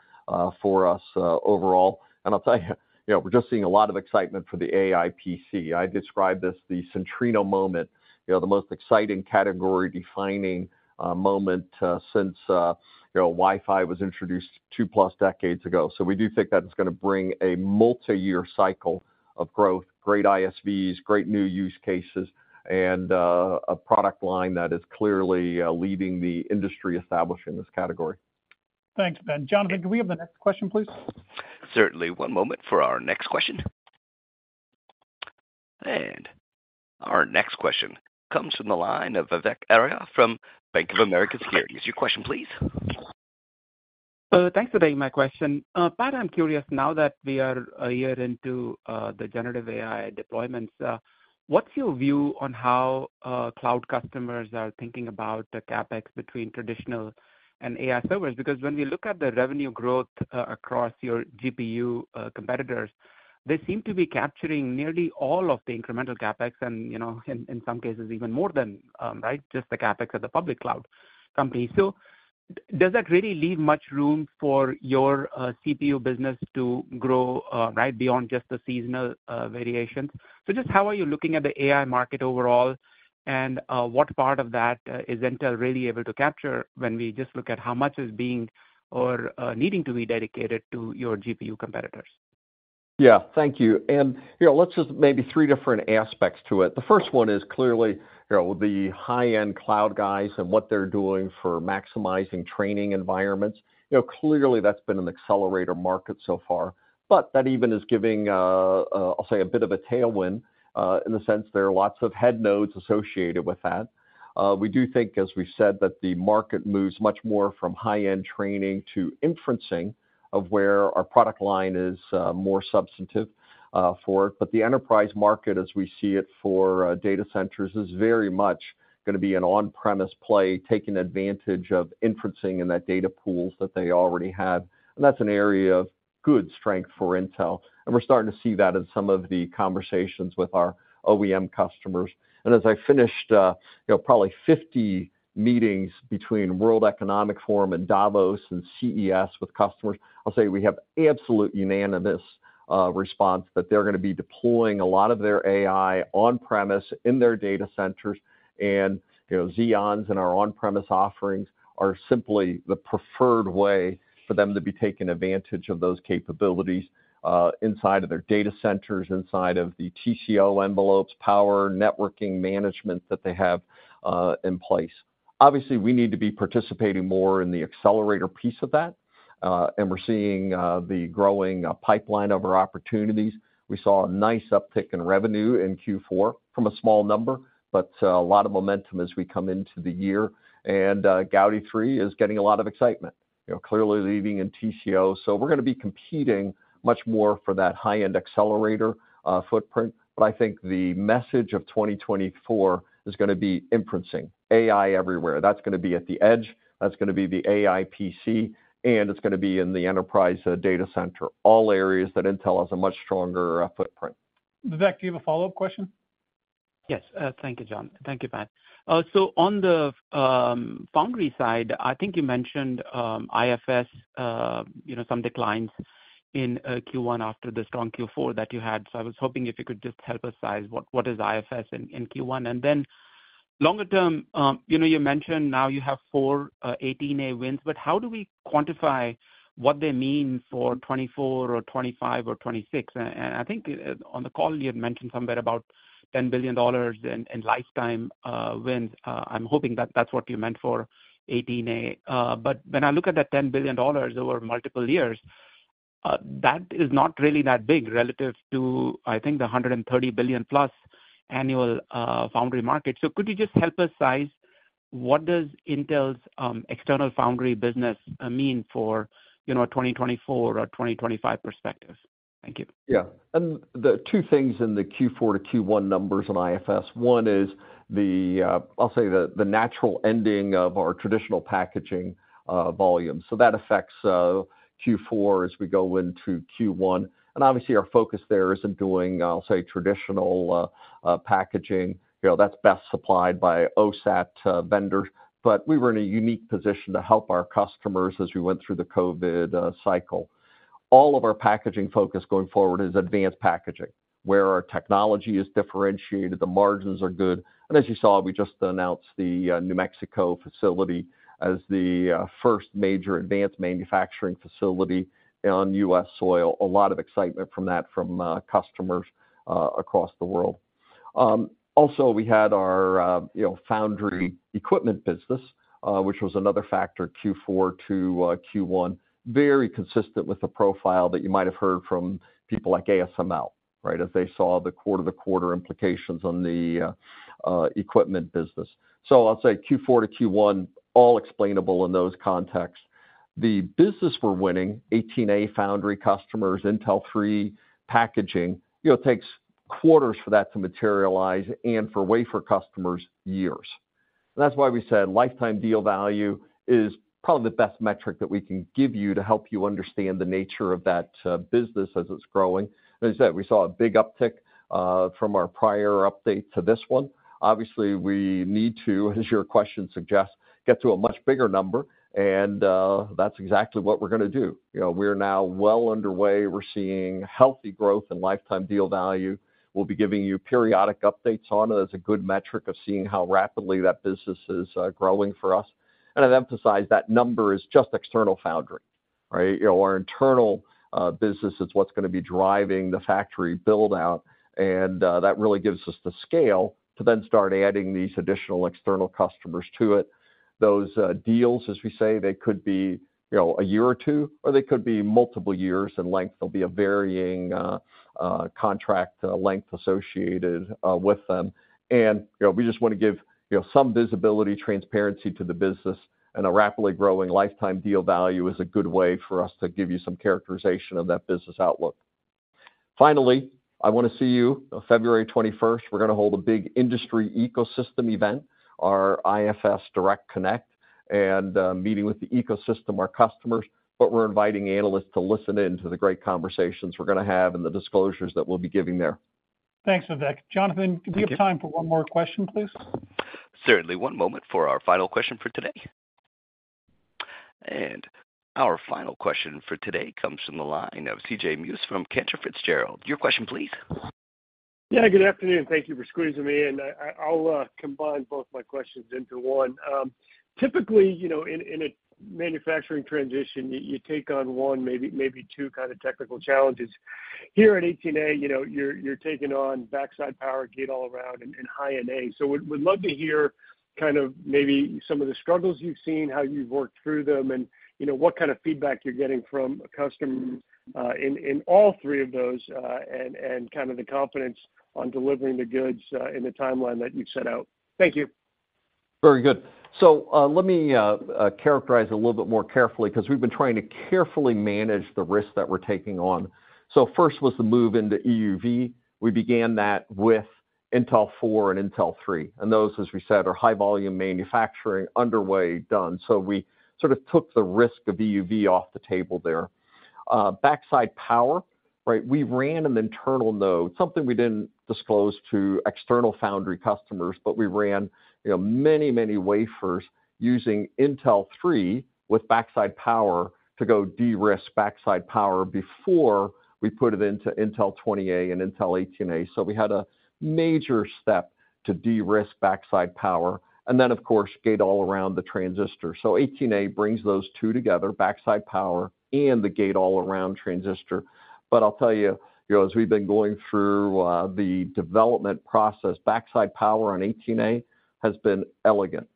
for us, overall. And I'll tell you, you know, we're just seeing a lot of excitement for the AI PC. I describe this, the Centrino moment, you know, the most exciting category-defining, moment, since, you know, Wi-Fi was introduced 2+ decades ago. So we do think that's gonna bring a multiyear cycle of growth, great ISVs, great new use cases, and a product line that is clearly leading the industry establishing this category. Thanks, Ben. Jon, could we have the next question, please? Certainly. One moment for our next question. Our next question comes from the line of Vivek Arya from Bank of America Securities. Your question, please. So thanks for taking my question. Pat, I'm curious, now that we are a year into the generative AI deployments, what's your view on how cloud customers are thinking about the CapEx between traditional and AI servers? Because when we look at the revenue growth across your GPU competitors, they seem to be capturing nearly all of the incremental CapEx and, you know, in some cases, even more than right, just the CapEx of the public cloud companies. So does that really leave much room for your CPU business to grow right beyond just the seasonal variations? So just how are you looking at the AI market overall, and what part of that is Intel really able to capture when we just look at how much is being or needing to be dedicated to your GPU competitors? Yeah. Thank you. And, you know, let's just maybe three different aspects to it. The first one is clearly, you know, the high-end cloud guys and what they're doing for maximizing training environments. You know, clearly, that's been an accelerator market so far, but that even is giving, I'll say, a bit of a tailwind, in the sense there are lots of head nodes associated with that. We do think, as we said, that the market moves much more from high-end training to inferencing of where our product line is more substantive for. But the enterprise market, as we see it for data centers, is very much gonna be an on-premise play, taking advantage of inferencing in that data pools that they already have. That's an area of good strength for Intel, and we're starting to see that in some of the conversations with our OEM customers. As I finished, you know, probably 50 meetings between World Economic Forum and Davos and CES with customers, I'll say we have absolute unanimous response that they're gonna be deploying a lot of their AI on premise in their data centers. You know, Xeons and our on-premise offerings are simply the preferred way for them to be taking advantage of those capabilities inside of their data centers, inside of the TCO envelopes, power, networking, management that they have in place. Obviously, we need to be participating more in the accelerator piece of that, and we're seeing the growing pipeline of our opportunities. We saw a nice uptick in revenue in Q4 from a small number, but, a lot of momentum as we come into the year. And, Gaudi 3 is getting a lot of excitement, you know, clearly leading in TCO. So we're gonna be competing much more for that high-end accelerator, footprint. But I think the message of 2024 is gonna be inferencing, AI everywhere. That's gonna be at the edge, that's gonna be the AI PC, and it's gonna be in the enterprise data center, all areas that Intel has a much stronger, footprint. Vivek, do you have a follow-up question? Yes. Thank you, John. Thank you, Pat. So on the foundry side, I think you mentioned IFS, you know, some declines in Q1 after the strong Q4 that you had. So I was hoping if you could just help us size what is IFS in Q1? And then longer term, you know, you mentioned now you have four 18A wins, but how do we quantify what they mean for 2024 or 2025 or 2026? And I think on the call you had mentioned somewhere about $10 billion in lifetime wins. I'm hoping that that's what you meant for 18A. But when I look at that $10 billion over multiple years, that is not really that big relative to, I think, the $130 billion+ annual foundry market. Could you just help us size what does Intel's external foundry business mean for, you know, a 2024 or 2025 perspective? Thank you. Yeah. And the two things in the Q4 to Q1 numbers on IFS. One is, I'll say, the natural ending of our traditional packaging volume. So that affects Q4 as we go into Q1. And obviously, our focus there isn't doing, I'll say, traditional packaging. You know, that's best supplied by OSAT vendors. But we were in a unique position to help our customers as we went through the COVID cycle. All of our packaging focus going forward is advanced packaging, where our technology is differentiated, the margins are good, and as you saw, we just announced the New Mexico facility as the first major advanced manufacturing facility on U.S. soil. A lot of excitement from that from customers across the world. Also, we had our, you know, foundry equipment business, which was another factor, Q4 to Q1, very consistent with the profile that you might have heard from people like ASML, right? As they saw the quarter-to-quarter implications on the equipment business. So I'll say Q4 to Q1, all explainable in those contexts. The business we're winning, 18A foundry customers, Intel 3 packaging, you know, takes quarters for that to materialize and for wafer customers, years. That's why we said lifetime deal value is probably the best metric that we can give you to help you understand the nature of that business as it's growing. As I said, we saw a big uptick from our prior update to this one. Obviously, we need to, as your question suggests, get to a much bigger number, and that's exactly what we're going to do. You know, we're now well underway. We're seeing healthy growth in lifetime deal value. We'll be giving you periodic updates on it. It's a good metric of seeing how rapidly that business is growing for us. And I'd emphasize that number is just external foundry, right? You know, our internal business is what's going to be driving the factory build-out, and that really gives us the scale to then start adding these additional external customers to it. Those deals, as we say, they could be, you know, a year or two, or they could be multiple years in length. There'll be a varying contract length associated with them. You know, we just want to give, you know, some visibility, transparency to the business, and a rapidly growing lifetime deal value is a good way for us to give you some characterization of that business outlook. Finally, I want to see you on February 21st. We're going to hold a big industry ecosystem event, our IFS Direct Connect, and meeting with the ecosystem, our customers, but we're inviting analysts to listen in to the great conversations we're going to have and the disclosures that we'll be giving there. Thanks, Vivek. Jonathan, do we have time for one more question, please? Certainly. One moment for our final question for today. Our final question for today comes from the line of C.J. Muse from Cantor Fitzgerald. Your question, please. Yeah, good afternoon. Thank you for squeezing me in. I'll combine both my questions into one. Typically, you know, in a manufacturing transition, you take on one, maybe two kind of technical challenges. Here at 18A, you know, you're taking on backside power, gate-all-around and High-NA. So would love to hear kind of maybe some of the struggles you've seen, how you've worked through them, and, you know, what kind of feedback you're getting from a customer in all three of those, and kind of the confidence on delivering the goods in the timeline that you've set out. Thank you. Very good. So, let me characterize a little bit more carefully because we've been trying to carefully manage the risks that we're taking on. So first was the move into EUV. We began that with Intel 4 and Intel 3, and those, as we said, are high volume manufacturing underway, done. So we sort of took the risk of EUV off the table there. Backside power, right? We ran an internal node, something we didn't disclose to external foundry customers, but we ran, you know, many, many wafers using Intel 3 with backside power to go de-risk backside power before we put it into Intel 20A and Intel 18A. So we had a major step to de-risk backside power, and then, of course, gate-all-around the transistor. So 18A brings those two together, backside power and the gate-all-around transistor. But I'll tell you, you know, as we've been going through, the development process, backside power on 18A has been elegant,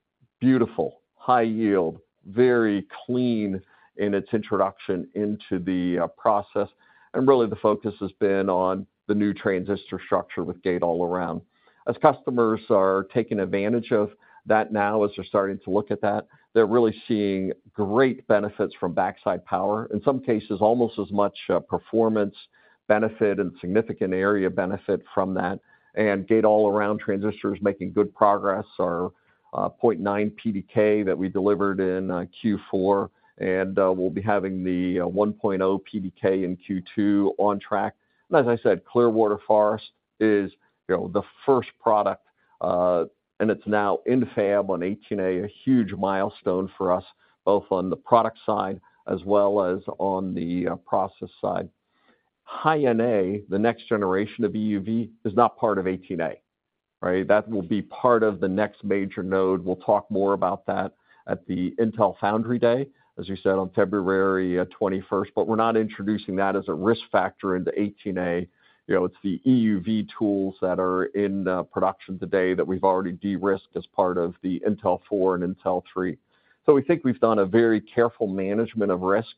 beautiful, high yield, very clean in its introduction into the, process. And really, the focus has been on the new transistor structure with gate-all-around. As customers are taking advantage of that now, as they're starting to look at that, they're really seeing great benefits from backside power, in some cases, almost as much, performance benefit and significant area benefit from that. And gate-all-around transistors making good progress, our, 0.9 PDK that we delivered in, Q4, and, we'll be having the, 1.0 PDK in Q2 on track. And as I said, Clearwater Forest is, you know, the first product, and it's now in fab on 18A, a huge milestone for us, both on the product side as well as on the process side. High-NA, the next generation of EUV, is not part of 18A, right? That will be part of the next major node. We'll talk more about that at the Intel Foundry Day, as you said, on February 21st, but we're not introducing that as a risk factor into 18A. You know, it's the EUV tools that are in production today that we've already de-risked as part of the Intel 4 and Intel 3. So we think we've done a very careful management of risk,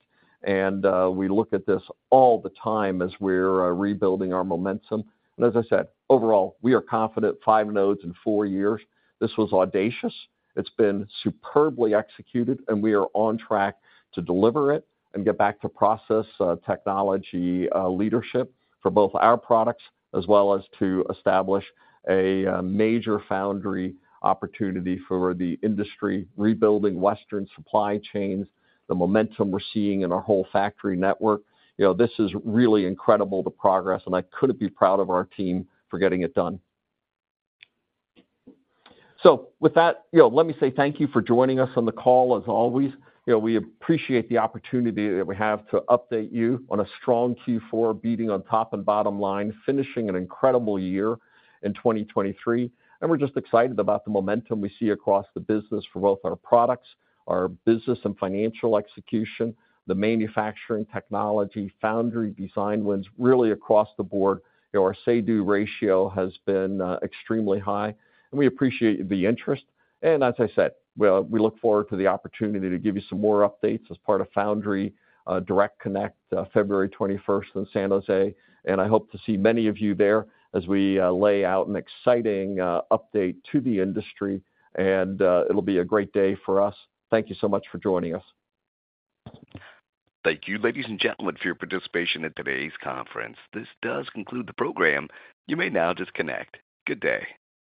and we look at this all the time as we're rebuilding our momentum. As I said, overall, we are confident five nodes in four years. This was audacious, it's been superbly executed, and we are on track to deliver it and get back to process technology leadership for both our products, as well as to establish a major foundry opportunity for the industry, rebuilding Western supply chains, the momentum we're seeing in our whole factory network. You know, this is really incredible, the progress, and I couldn't be proud of our team for getting it done. So with that, you know, let me say thank you for joining us on the call as always. You know, we appreciate the opportunity that we have to update you on a strong Q4 beating on top and bottom line, finishing an incredible year in 2023. We're just excited about the momentum we see across the business for both our products, our business and financial execution, the manufacturing, technology, foundry, design wins, really across the board. You know, our say-do ratio has been extremely high, and we appreciate the interest. As I said, well, we look forward to the opportunity to give you some more updates as part of Foundry Direct Connect February 21st in San Jose. I hope to see many of you there as we lay out an exciting update to the industry, and it'll be a great day for us. Thank you so much for joining us. Thank you, ladies and gentlemen, for your participation in today's conference. This does conclude the program. You may now disconnect. Good day.